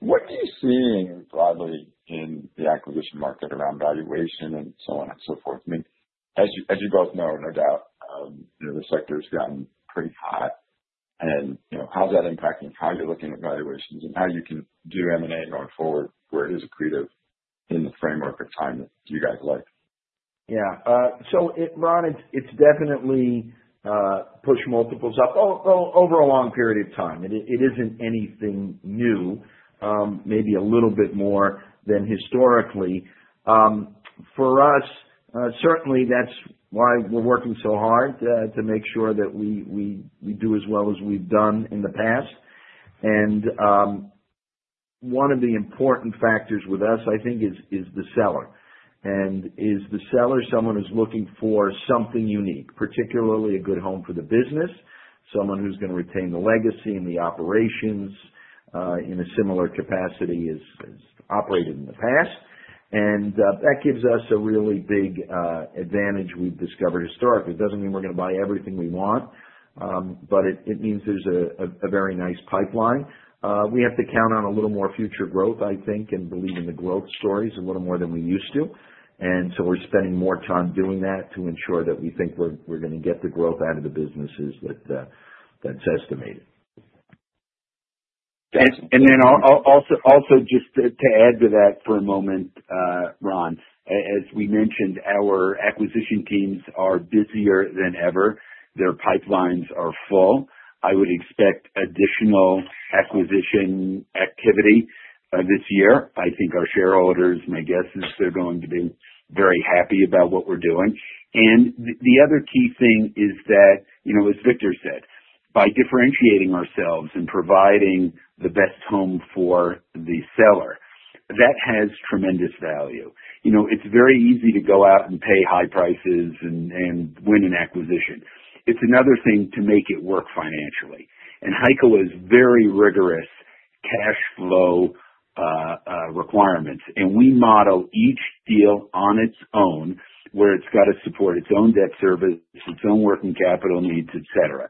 What are you seeing broadly in the acquisition market around valuation and so on and so forth? I mean, as you both know, no doubt, you know, the sector's gotten pretty hot and, you know, how's that impacting how you're looking at valuations and how you can do M&A going forward, where it is accretive in the framework or time that you guys like? Yeah. Ron, it's definitely pushed multiples up over a long period of time. It isn't anything new. Maybe a little bit more than historically. For us, certainly that's why we're working so hard to make sure that we do as well as we've done in the past. One of the important factors with us, I think, is the seller. Is the seller someone who's looking for something unique, particularly a good home for the business, someone who's gonna retain the legacy and the operations in a similar capacity as operated in the past? That gives us a really big advantage we've discovered historically. It doesn't mean we're gonna buy everything we want, but it means there's a very nice pipeline. We have to count on a little more future growth, I think, and believe in the growth stories a little more than we used to. We're spending more time doing that, to ensure that we think we're gonna get the growth out of the businesses that that's estimated. Also, just to add to that for a moment, Ron Epstein, as we mentioned, our acquisition teams are busier than ever. Their pipelines are full. I would expect additional acquisition activity this year. I think our shareholders, my guess is they're going to be very happy about what we're doing. The other key thing is that, you know, as Victor Mendelson said, by differentiating ourselves and providing the best home for the seller, that has tremendous value. You know, it's very easy to go out and pay high prices and win an acquisition. It's another thing to make it work financially. HEICO has very rigorous cash flow requirements, and we model each deal on its own, where it's got to support its own debt service, its own working capital needs, et cetera.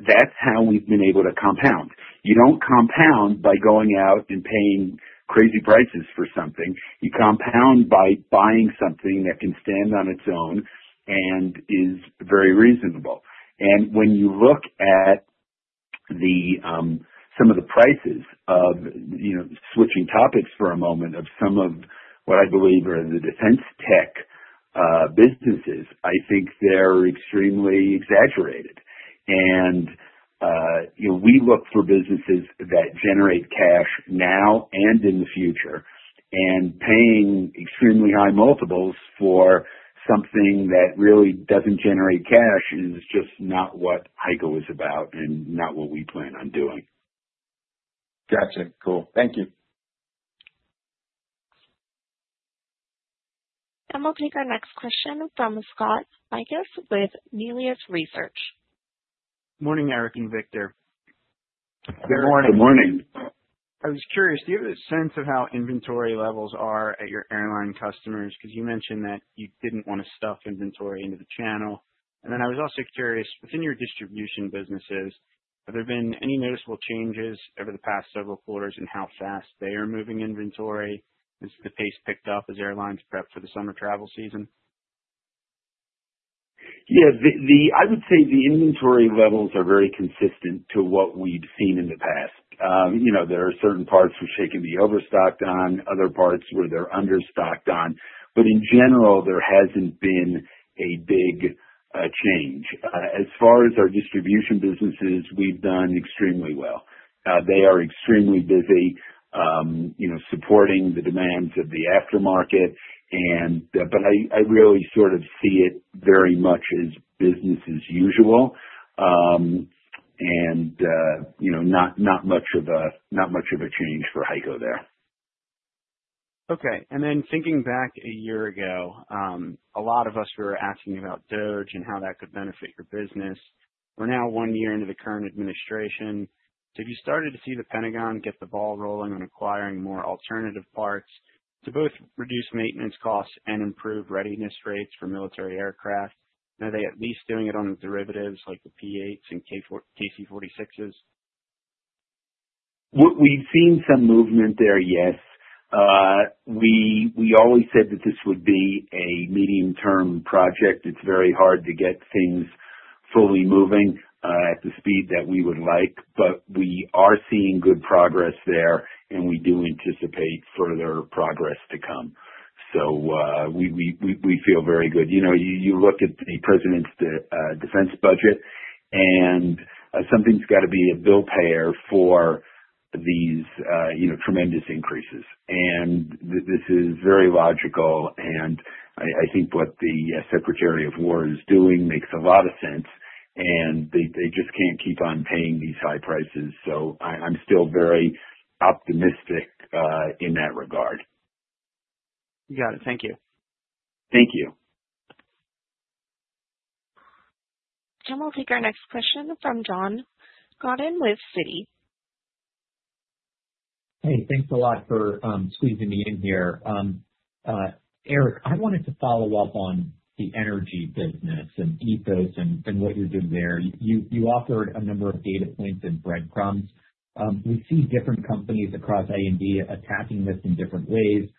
That's how we've been able to compound. You don't compound by going out and paying crazy prices for something. You compound by buying something that can stand on its own and is very reasonable. When you look at the, some of the prices of you know, switching topics for a moment, of some of what I believe are the defense tech businesses, I think they're extremely exaggerated. You know, we look for businesses that generate cash now and in the future, and paying extremely high multiples for something that really doesn't generate cash is just not what HEICO is about and not what we plan on doing. Gotcha. Cool. Thank you. We'll take our next question from Scott Mikus with Melius Research. Morning, Eric and Victor. Good morning. Good morning. I was curious, do you have a sense of how inventory levels are at your airline customers? 'Cause you mentioned that you didn't want to stuff inventory into the channel. I was also curious, within your distribution businesses, have there been any noticeable changes over the past several quarters in how fast they are moving inventory? Has the pace picked up as airlines prep for the summer travel season? I would say the inventory levels are very consistent to what we'd seen in the past. you know, there are certain parts which they can be overstocked on, other parts where they're under stocked on, but in general, there hasn't been a big change. As far as our distribution businesses, we've done extremely well. They are extremely busy, you know, supporting the demands of the aftermarket. I really sort of see it very much as business as usual. you know, not much of a change for HEICO there. Okay. Then thinking back one year ago, a lot of us were asking about DOGE and how that could benefit your business. We're now one year into the current administration. Have you started to see the Pentagon get the ball rolling on acquiring more alternative parts to both reduce maintenance costs and improve readiness rates for military aircraft? Are they at least doing it on the derivatives, like the P-8 and KC-46? We've seen some movement there, yes. We always said that this would be a medium term project. It's very hard to get things fully moving at the speed that we would like, but we are seeing good progress there, and we do anticipate further progress to come. We feel very good. You know, you look at the president's defense budget, something's got to be a bill payer for these, you know, tremendous increases. This is very logical, I think what the Secretary of War is doing makes a lot of sense, they just can't keep on paying these high prices. I'm still very optimistic in that regard. You got it. Thank you. Thank you. We'll take our next question from John Godyn with Citi. Hey, thanks a lot for squeezing me in here. Eric, I wanted to follow up on the energy business and Ethos and what you're doing there. You offered a number of data points and breadcrumbs. We see different companies across A&D attacking this in different ways.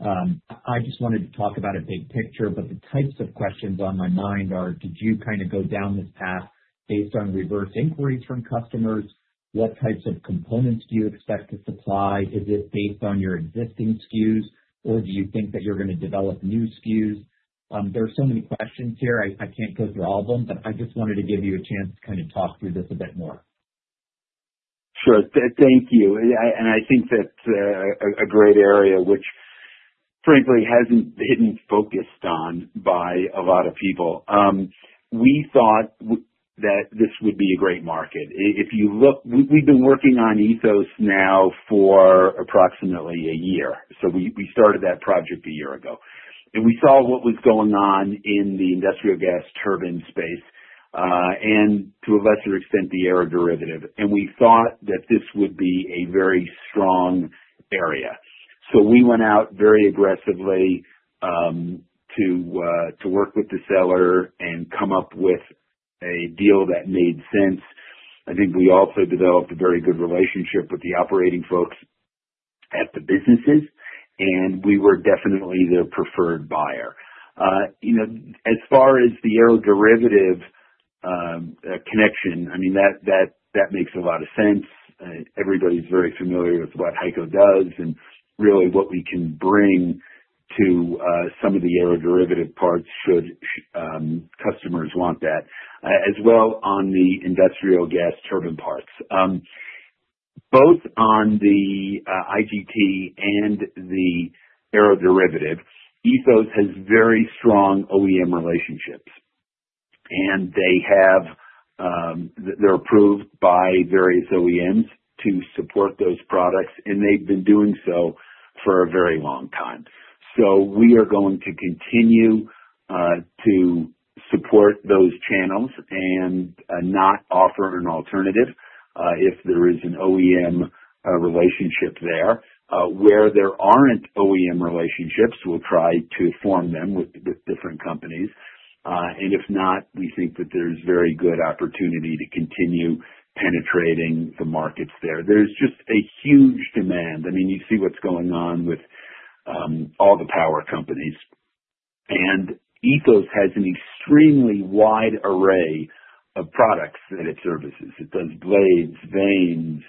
I just wanted to talk about it big picture, but the types of questions on my mind are, did you kind of go down this path based on reverse inquiries from customers? What types of components do you expect to supply? Is it based on your existing SKUs, or do you think that you're going to develop new SKUs? There are so many questions here, I can't go through all of them, but I just wanted to give you a chance to kind of talk through this a bit more. Sure. Thank you. I think that's a great area, which frankly hasn't been focused on by a lot of people. We thought that this would be a great market. If you look, we've been working on Ethos now for approximately a year, so we started that project a year ago. We saw what was going on in the industrial gas turbine space, and to a lesser extent, the aero derivative, and we thought that this would be a very strong area. We went out very aggressively, to work with the seller and come up with a deal that made sense. I think we also developed a very good relationship with the operating folks at the businesses, and we were definitely the preferred buyer. You know, as far as the aeroderivative connection, I mean, that makes a lot of sense. Everybody's very familiar with what HEICO does, and really what we can bring to some of the aeroderivative parts should customers want that as well on the industrial gas turbine parts. Both on the IGT and the aeroderivative, Ethos has very strong OEM relationships, and they have They're approved by various OEMs to support those products, and they've been doing so for a very long time. We are going to continue to support those channels and not offer an alternative if there is an OEM relationship there. Where there aren't OEM relationships, we'll try to form them with different companies. If not, we think that there's very good opportunity to continue penetrating the markets there. There's just a huge demand. I mean, you see what's going on with all the power companies, and Ethos has an extremely wide array of products that it services. It does blades, vanes,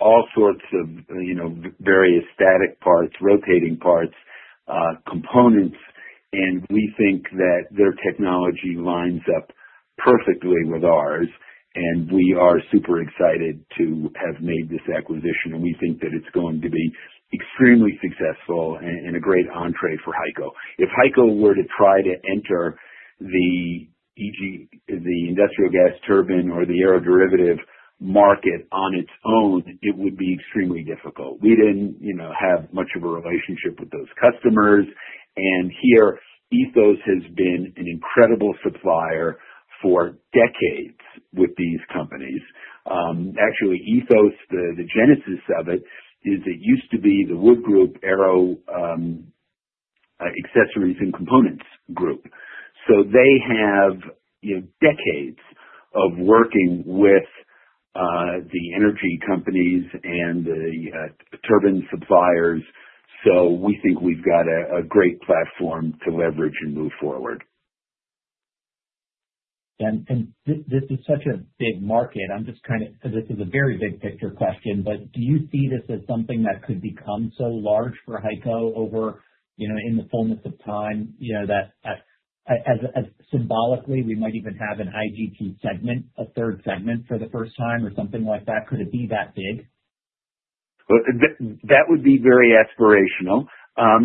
all sorts of, you know, various static parts, rotating parts, components, and we think that their technology lines up perfectly with ours, and we are super excited to have made this acquisition, and we think that it's going to be extremely successful and a great entree for HEICO. If HEICO were to try to enter the industrial gas turbine or the aeroderivative market on its own, it would be extremely difficult. We didn't, you know, have much of a relationship with those customers. Here, Ethos has been an incredible supplier for decades with these companies. Actually, Ethos, the genesis of it, is it used to be the Wood Group Aero Accessories and Components Group. They have, you know, decades of working with the energy companies and the turbine suppliers, so we think we've got a great platform to leverage and move forward. This is such a big market, this is a very big picture question, but do you see this as something that could become so large for HEICO over, you know, in the fullness of time, you know, that, as symbolically, we might even have an IGT segment, a third segment, for the first time or something like that? Could it be that big? Well, that would be very aspirational. I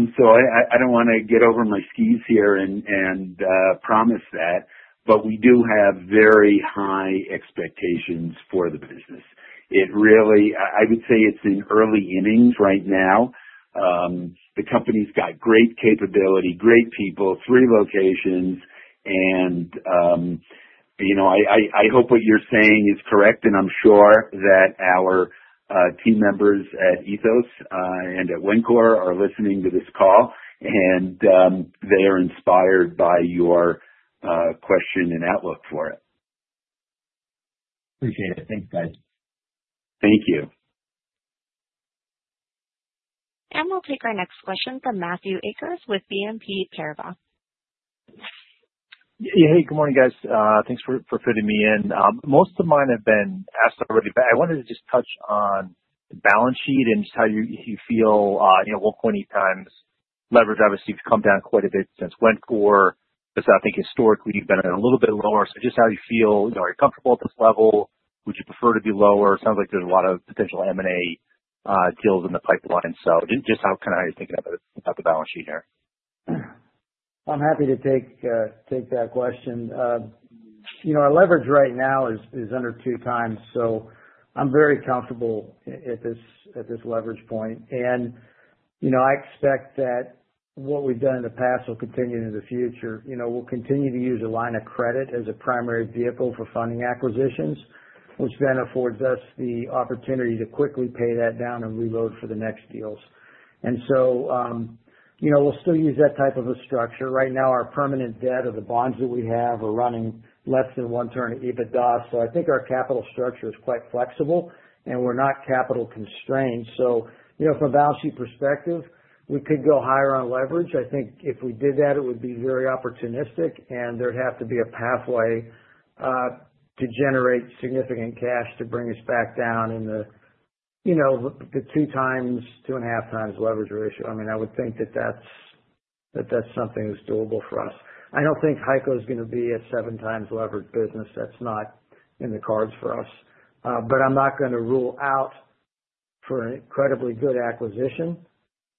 don't wanna get over my skis here and promise that, but we do have very high expectations for the business. It really I would say it's in early innings right now. The company's got great capability, great people, three locations, and, you know, I hope what you're saying is correct, and I'm sure that our team members at Ethos and at Wencor are listening to this call, and they are inspired by your question and outlook for it. Appreciate it. Thanks, guys. Thank you. We'll take our next question from Matt Akers with BNP Paribas. Yeah. Hey, good morning, guys. thanks for fitting me in. most of mine have been asked already, but I wanted to just touch on the balance sheet and just how you feel, you know, 1.8x leverage obviously has come down quite a bit since Wencor, just I think historically you've been a little bit lower. just how, kind of, are you thinking about the balance sheet here? I'm happy to take that question. You know, our leverage right now is under two times, so I'm very comfortable at this leverage point. You know, I expect that what we've done in the past will continue into the future. You know, we'll continue to use a line of credit as a primary vehicle for funding acquisitions, which then affords us the opportunity to quickly pay that down and reload for the next deals. You know, we'll still use that type of a structure. Right now, our permanent debt or the bonds that we have, are running less than one turn of EBITDA, so I think our capital structure is quite flexible, and we're not capital constrained. You know, from a balance sheet perspective, we could go higher on leverage. I think if we did that, it would be very opportunistic, and there'd have to be a pathway to generate significant cash to bring us back down in the, you know, the 2 times, 2.5 times leverage ratio. I mean, I would think that that's something that's doable for us. I don't think HEICO's gonna be a 7 times leveraged business. That's not in the cards for us. But I'm not gonna rule out for an incredibly good acquisition.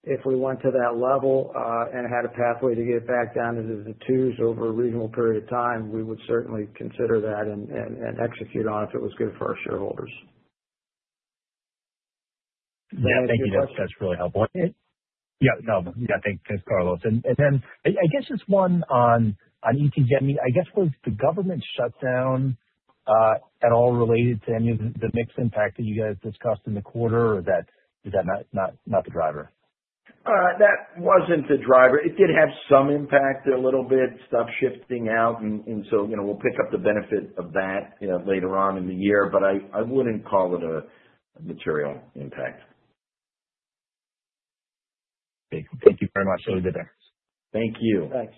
If we went to that level and had a pathway to get back down into the 2s over a reasonable period of time, we would certainly consider that and execute on it, if it was good for our shareholders. Yeah, thank you. That's, that's really helpful. Yeah, no, yeah, thanks, Carlos. Then I guess just one on ETG. I mean, I guess, was the government shutdown at all related to any of the mixed impact that you guys discussed in the quarter, or that, is that not the driver? that wasn't the driver. It did have some impact, a little bit, stuff shifting out, and so, you know, we'll pick up the benefit of that, you know, later on in the year, but I wouldn't call it a material impact. Okay. Thank you very much. I'll leave it there. Thank you. Thanks.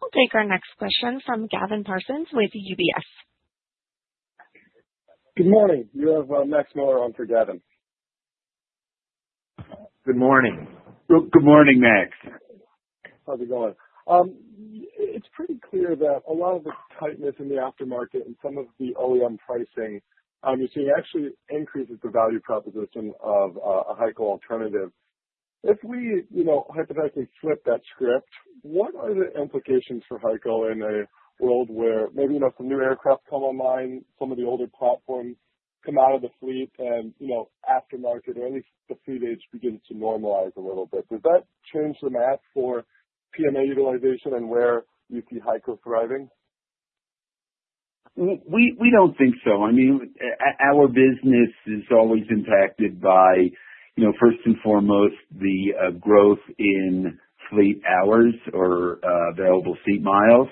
We'll take our next question from Gavin Parsons with UBS. Good morning. You have, Max Miller on for Gavin. Good morning. Good morning, Max. How's it going? It's pretty clear that a lot of the tightness in the aftermarket and some of the OEM pricing, you're seeing actually increases the value proposition of a HEICO alternative. If we, you know, hypothetically flip that script, what are the implications for HEICO in a world where maybe, you know, some new aircraft come online, some of the older platforms come out of the fleet, and, you know, aftermarket or at least the fleet age begins to normalize a little bit? Does that change the math for PMA utilization and where you see HEICO thriving? We don't think so. I mean, our business is always impacted by, you know, first and foremost, the growth in fleet hours or available seat miles.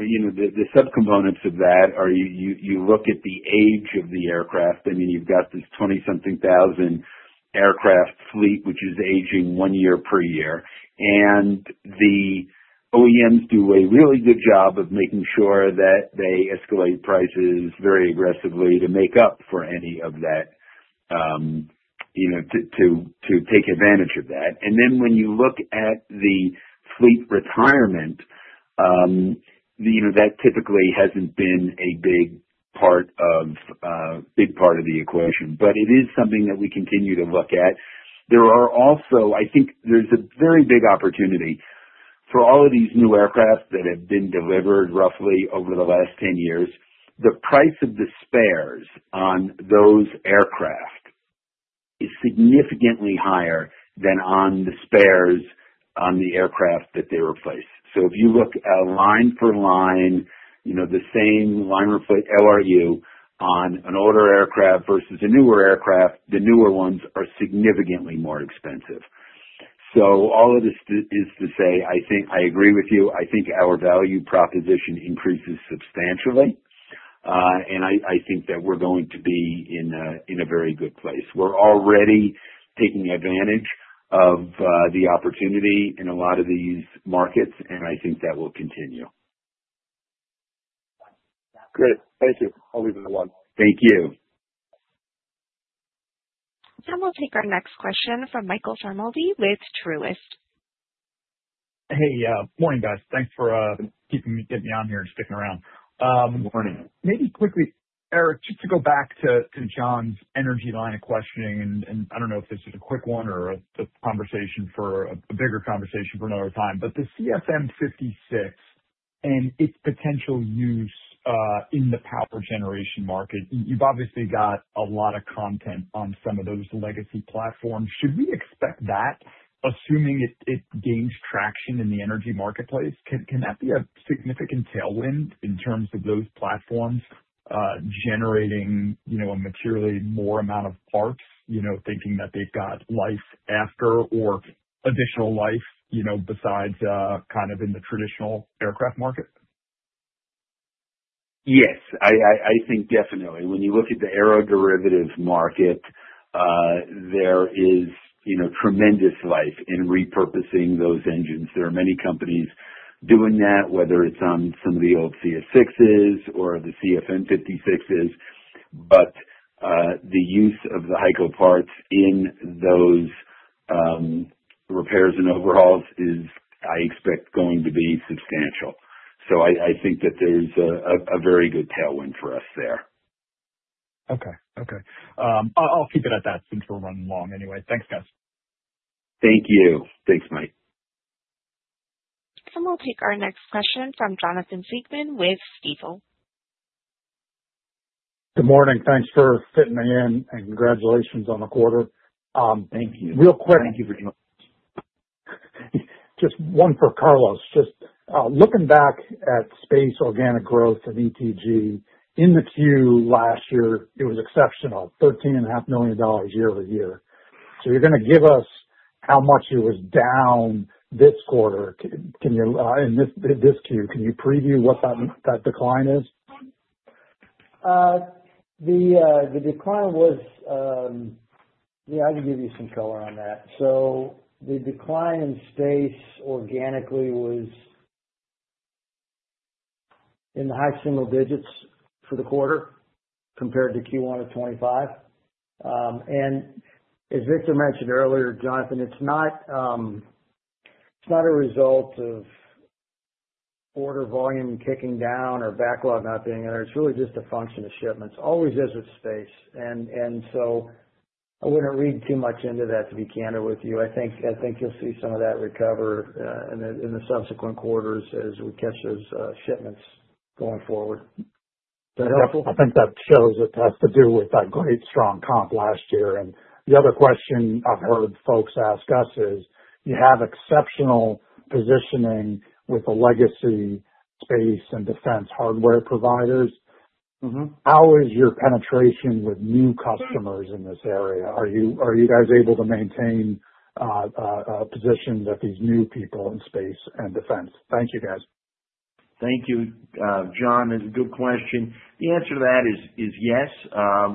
You know, the subcomponents of that are you look at the age of the aircraft. I mean, you've got this 20-something thousand aircraft fleet, which is aging one year per year. The OEMs do a really good job of making sure that they escalate prices very aggressively to make up for any of that, you know, to take advantage of that. When you look at the fleet retirement, you know, that typically hasn't been a big part of big part of the equation, but it is something that we continue to look at. I think there's a very big opportunity for all of these new aircraft that have been delivered, roughly over the last ten years. The price of the spares on those aircraft is significantly higher than on the spares on the aircraft that they replace. If you look at line for line, you know, the same line replace LRU on an older aircraft versus a newer aircraft, the newer ones are significantly more expensive. All of this is to say, I think I agree with you. I think our value proposition increases substantially. I think that we're going to be in a very good place. We're already taking advantage of the opportunity in a lot of these markets, I think that will continue. Great. Thank you. I'll leave it alone. Thank you. We'll take our next question from Michael Ciarmoli with Truist. Hey, morning, guys. Thanks for getting me on here and sticking around. Good morning. Maybe quickly, Eric, just to go back to John's energy line of questioning, I don't know if this is a quick one or a conversation for a bigger conversation for another time, but the CFM56 and its potential use in the power generation market. You've obviously got a lot of content on some of those legacy platforms. Should we expect that, assuming it gains traction in the energy marketplace, can that be a significant tailwind in terms of those platforms, generating, you know, a materially more amount of parts? You know, thinking that they've got life after or additional life, you know, besides kind of in the traditional aircraft market? Yes, I think definitely. When you look at the aeroderivative market, you know, tremendous life in repurposing those engines. There are many companies doing that, whether it's on some of the old CF6s or the CFM56s, the use of the HEICO parts in those repairs and overhauls is, I expect, going to be substantial. I think that there's a very good tailwind for us there. Okay. Okay. I'll keep it at that, since we're running long anyway. Thanks, guys. Thank you. Thanks, Mike. We'll take our next question from Jonathan Siegmann with Stifel. Good morning. Thanks for fitting me in, and congratulations on the quarter. Thank you. Real quick. Thank you. Just one for Carlos. Just looking back at space organic growth of ETG, in the Q last year, it was exceptional, $13.5 million year-over-year. You're gonna give us how much it was down this quarter. Can you, and this Q, can you preview what that decline is? The decline was. Yeah, I can give you some color on that. The decline in space organically was in the high single digits for the quarter, compared to Q1 of 2025. As Victor mentioned earlier, Jonathan, it's not a result of order volume kicking down or backlog not being there, it's really just a function of shipments. Always is with space. I wouldn't read too much into that, to be candid with you. I think you'll see some of that recover in the subsequent quarters as we catch those shipments going forward. Is that helpful? I think that shows it has to do with that great strong comp last year. The other question I've heard folks ask us is, you have exceptional positioning with the space and defense hardware providers. Mm-hmm. How is your penetration with new customers in this area? Are you guys able to maintain a position with these new people in space and defense? Thank you, guys. Thank you, John. That's a good question. The answer to that is yes.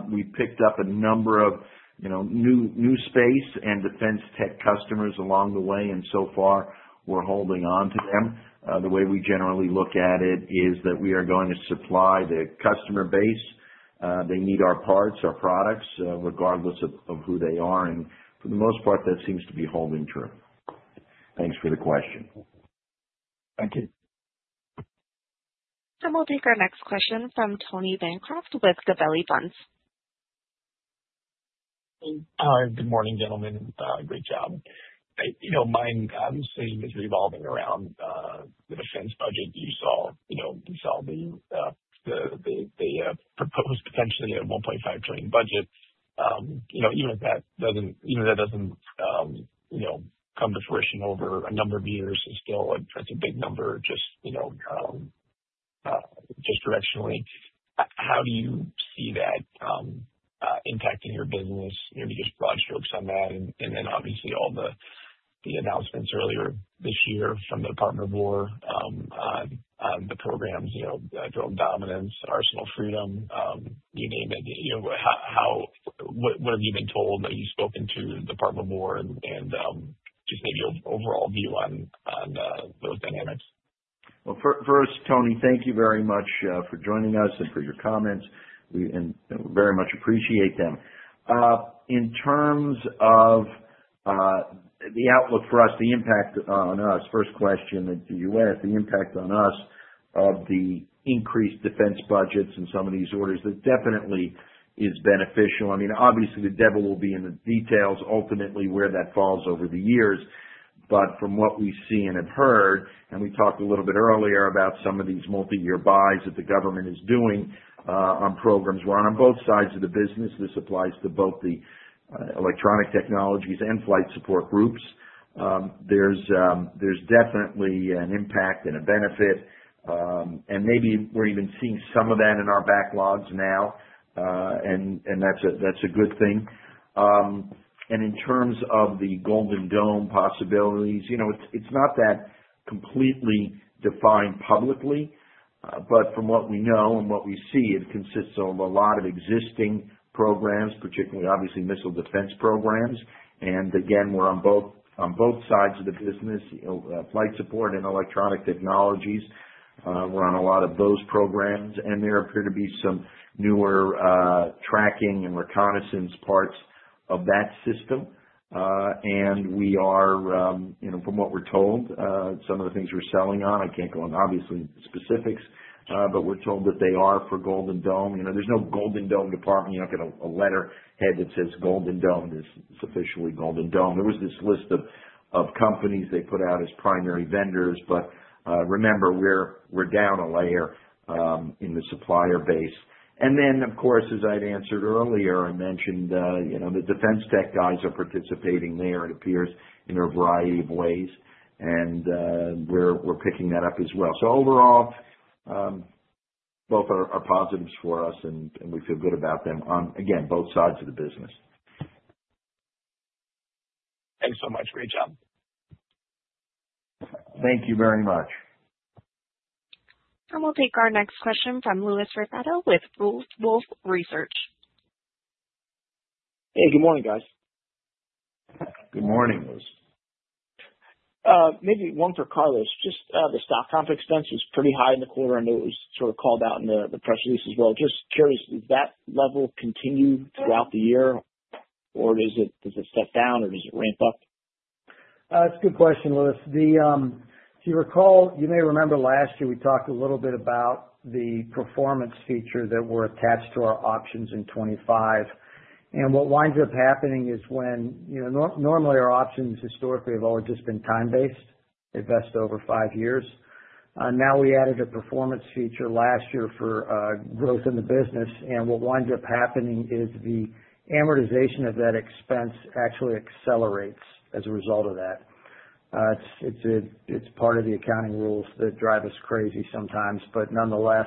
We've picked up a number of, you know, new space and defense tech customers along the way, and so far, we're holding on to them. The way we generally look at it is that we are going to supply the customer base. They need our parts, our products, regardless of who they are, and for the most part, that seems to be holding true. Thanks for the question. Thank you. We'll take our next question from Tony Bancroft with Gabelli Funds. Hi. Good morning, gentlemen. great job. you know, my, obviously, is revolving around the defense budget. You saw, you know, you saw the proposed potentially a $1.5 trillion budget. you know, even if that doesn't, even if that doesn't, you know, come to fruition over a number of years, it's still a, that's a big number, just, you know, just directionally. How do you see that impacting your business? Maybe just broad strokes on that, and then obviously all the announcements earlier this year from the Department of War, on the program, you know, Drone Dominance, Arsenal Freedom, you name it. You know, how, what have you been told that you've spoken to the Department of War and just maybe your overall view on those dynamics? Well, first, Tony, thank you very much, for joining us and for your comments. We very much appreciate them. In terms of the outlook for us, the impact on us, first question that you asked, the impact on us of the increased defense budgets and some of these orders, that definitely is beneficial. I mean, obviously, the devil will be in the details, ultimately, where that falls over the years. From what we've seen and heard, and we talked a little bit earlier about some of these multi-year buys that the government is doing, on programs. We're on both sides of the business. This applies to both the Electronic Technologies and Flight Support Groups. There's definitely an impact and a benefit, and maybe we're even seeing some of that in our backlogs now, and that's a good thing. In terms of the Golden Dome possibilities, you know, it's not that completely defined publicly, but from what we know and what we see, it consists of a lot of existing programs, particularly obviously missile defense programs. Again, we're on both, on both sides of the business, you know, Flight Support and Electronic Technologies. We're on a lot of those programs, and there appear to be some newer, tracking and reconnaissance parts of that system. We are, you know, from what we're told, some of the things we're selling on, I can't go on, obviously, specifics, but we're told that they are for Golden Dome. You know, there's no Golden Dome department. You don't get a letterhead that says Golden Dome, this is officially Golden Dome. There was this list of companies they put out as primary vendors, but remember, we're down a layer in the supplier base. Of course, as I'd answered earlier, I mentioned, you know, the defense tech guys are participating there, it appears, in a variety of ways, and we're picking that up as well. Overall, both are positives for us, and we feel good about them on, again, both sides of the business. Thanks so much. Great job. Thank you very much. We'll take our next question from Louis Raffetto with Wolfe Research. Hey, good morning, guys. Good morning, Louis. Maybe one for Carlos. Just, the stock comp expense was pretty high in the quarter, I know it was sort of called out in the press release as well. Just curious, does that level continue throughout the year, or does it step down, or does it ramp up? It's a good question, Louis. If you recall, you may remember last year, we talked a little bit about the performance feature that were attached to our options in 25. You know, normally our options historically have always just been time-based, at best over five years. Now, we added a performance feature last year for growth in the business, what winds up happening is the amortization of that expense actually accelerates as a result of that. It's a part of the accounting rules that drive us crazy sometimes, nonetheless.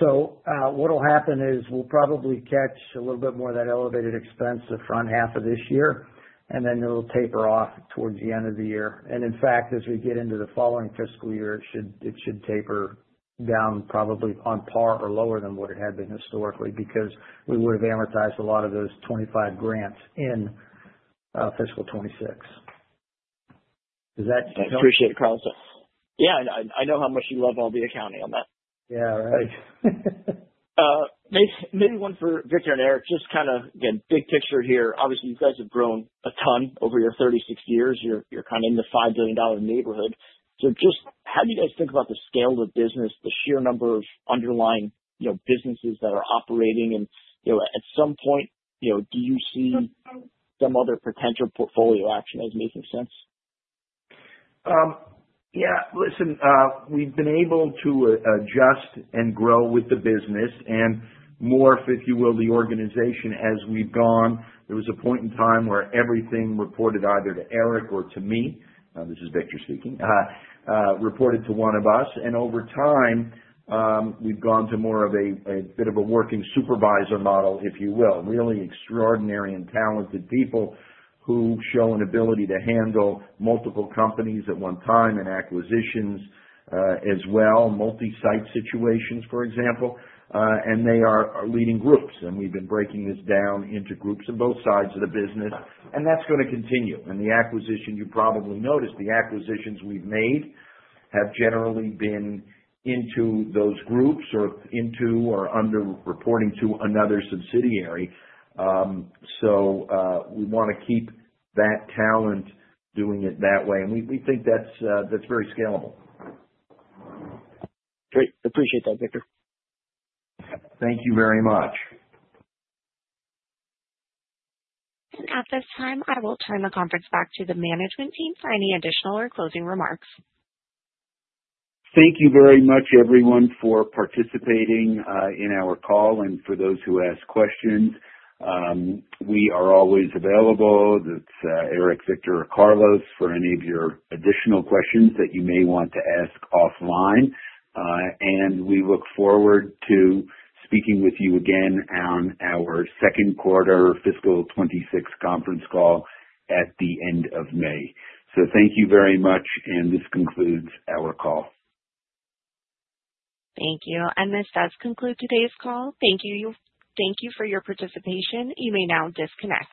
What'll happen is we'll probably catch a little bit more of that elevated expense the front half of this year, then it'll taper off towards the end of the year. In fact, as we get into the following fiscal year, it should taper down, probably on par or lower than what it had been historically, because we would have amortized a lot of those 25 grants in fiscal 2026. Does that make sense? I appreciate it, Carlos. Yeah, I know how much you love all the accounting on that. Yeah, right. Maybe one for Victor and Eric. Just kind of, again, big picture here. Obviously, you guys have grown a ton over your 36 years. You're kind of in the $5 billion neighborhood. Just how do you guys think about the scale of the business, the sheer number of underlying, you know, businesses that are operating? At some point, you know, do you see some other potential portfolio action as making sense? Yeah, listen, we've been able to adjust and grow with the business and morph, if you will, the organization as we've gone. There was a point in time where everything reported either to Eric or to me, this is Victor speaking, reported to one of us, and over time, we've gone to more of a bit of a working supervisor model, if you will. Really extraordinary and talented people who show an ability to handle multiple companies at one time, and acquisitions as well, multi-site situations, for example, and they are leading groups. We've been breaking this down into groups on both sides of the business, and that's gonna continue. The acquisition, you probably noticed, the acquisitions we've made have generally been into those groups or into or under reporting to another subsidiary. We wanna keep that talent doing it that way, and we think that's very scalable. Great. Appreciate that, Victor. Thank you very much. At this time, I will turn the conference back to the management team for any additional or closing remarks. Thank you very much, everyone, for participating in our call, and for those who asked questions. We are always available. That's Eric, Victor, or Carlos, for any of your additional questions that you may want to ask offline. We look forward to speaking with you again on our second quarter fiscal 26 conference call at the end of May. Thank you very much, and this concludes our call. Thank you, this does conclude today's call. Thank you for your participation. You may now disconnect.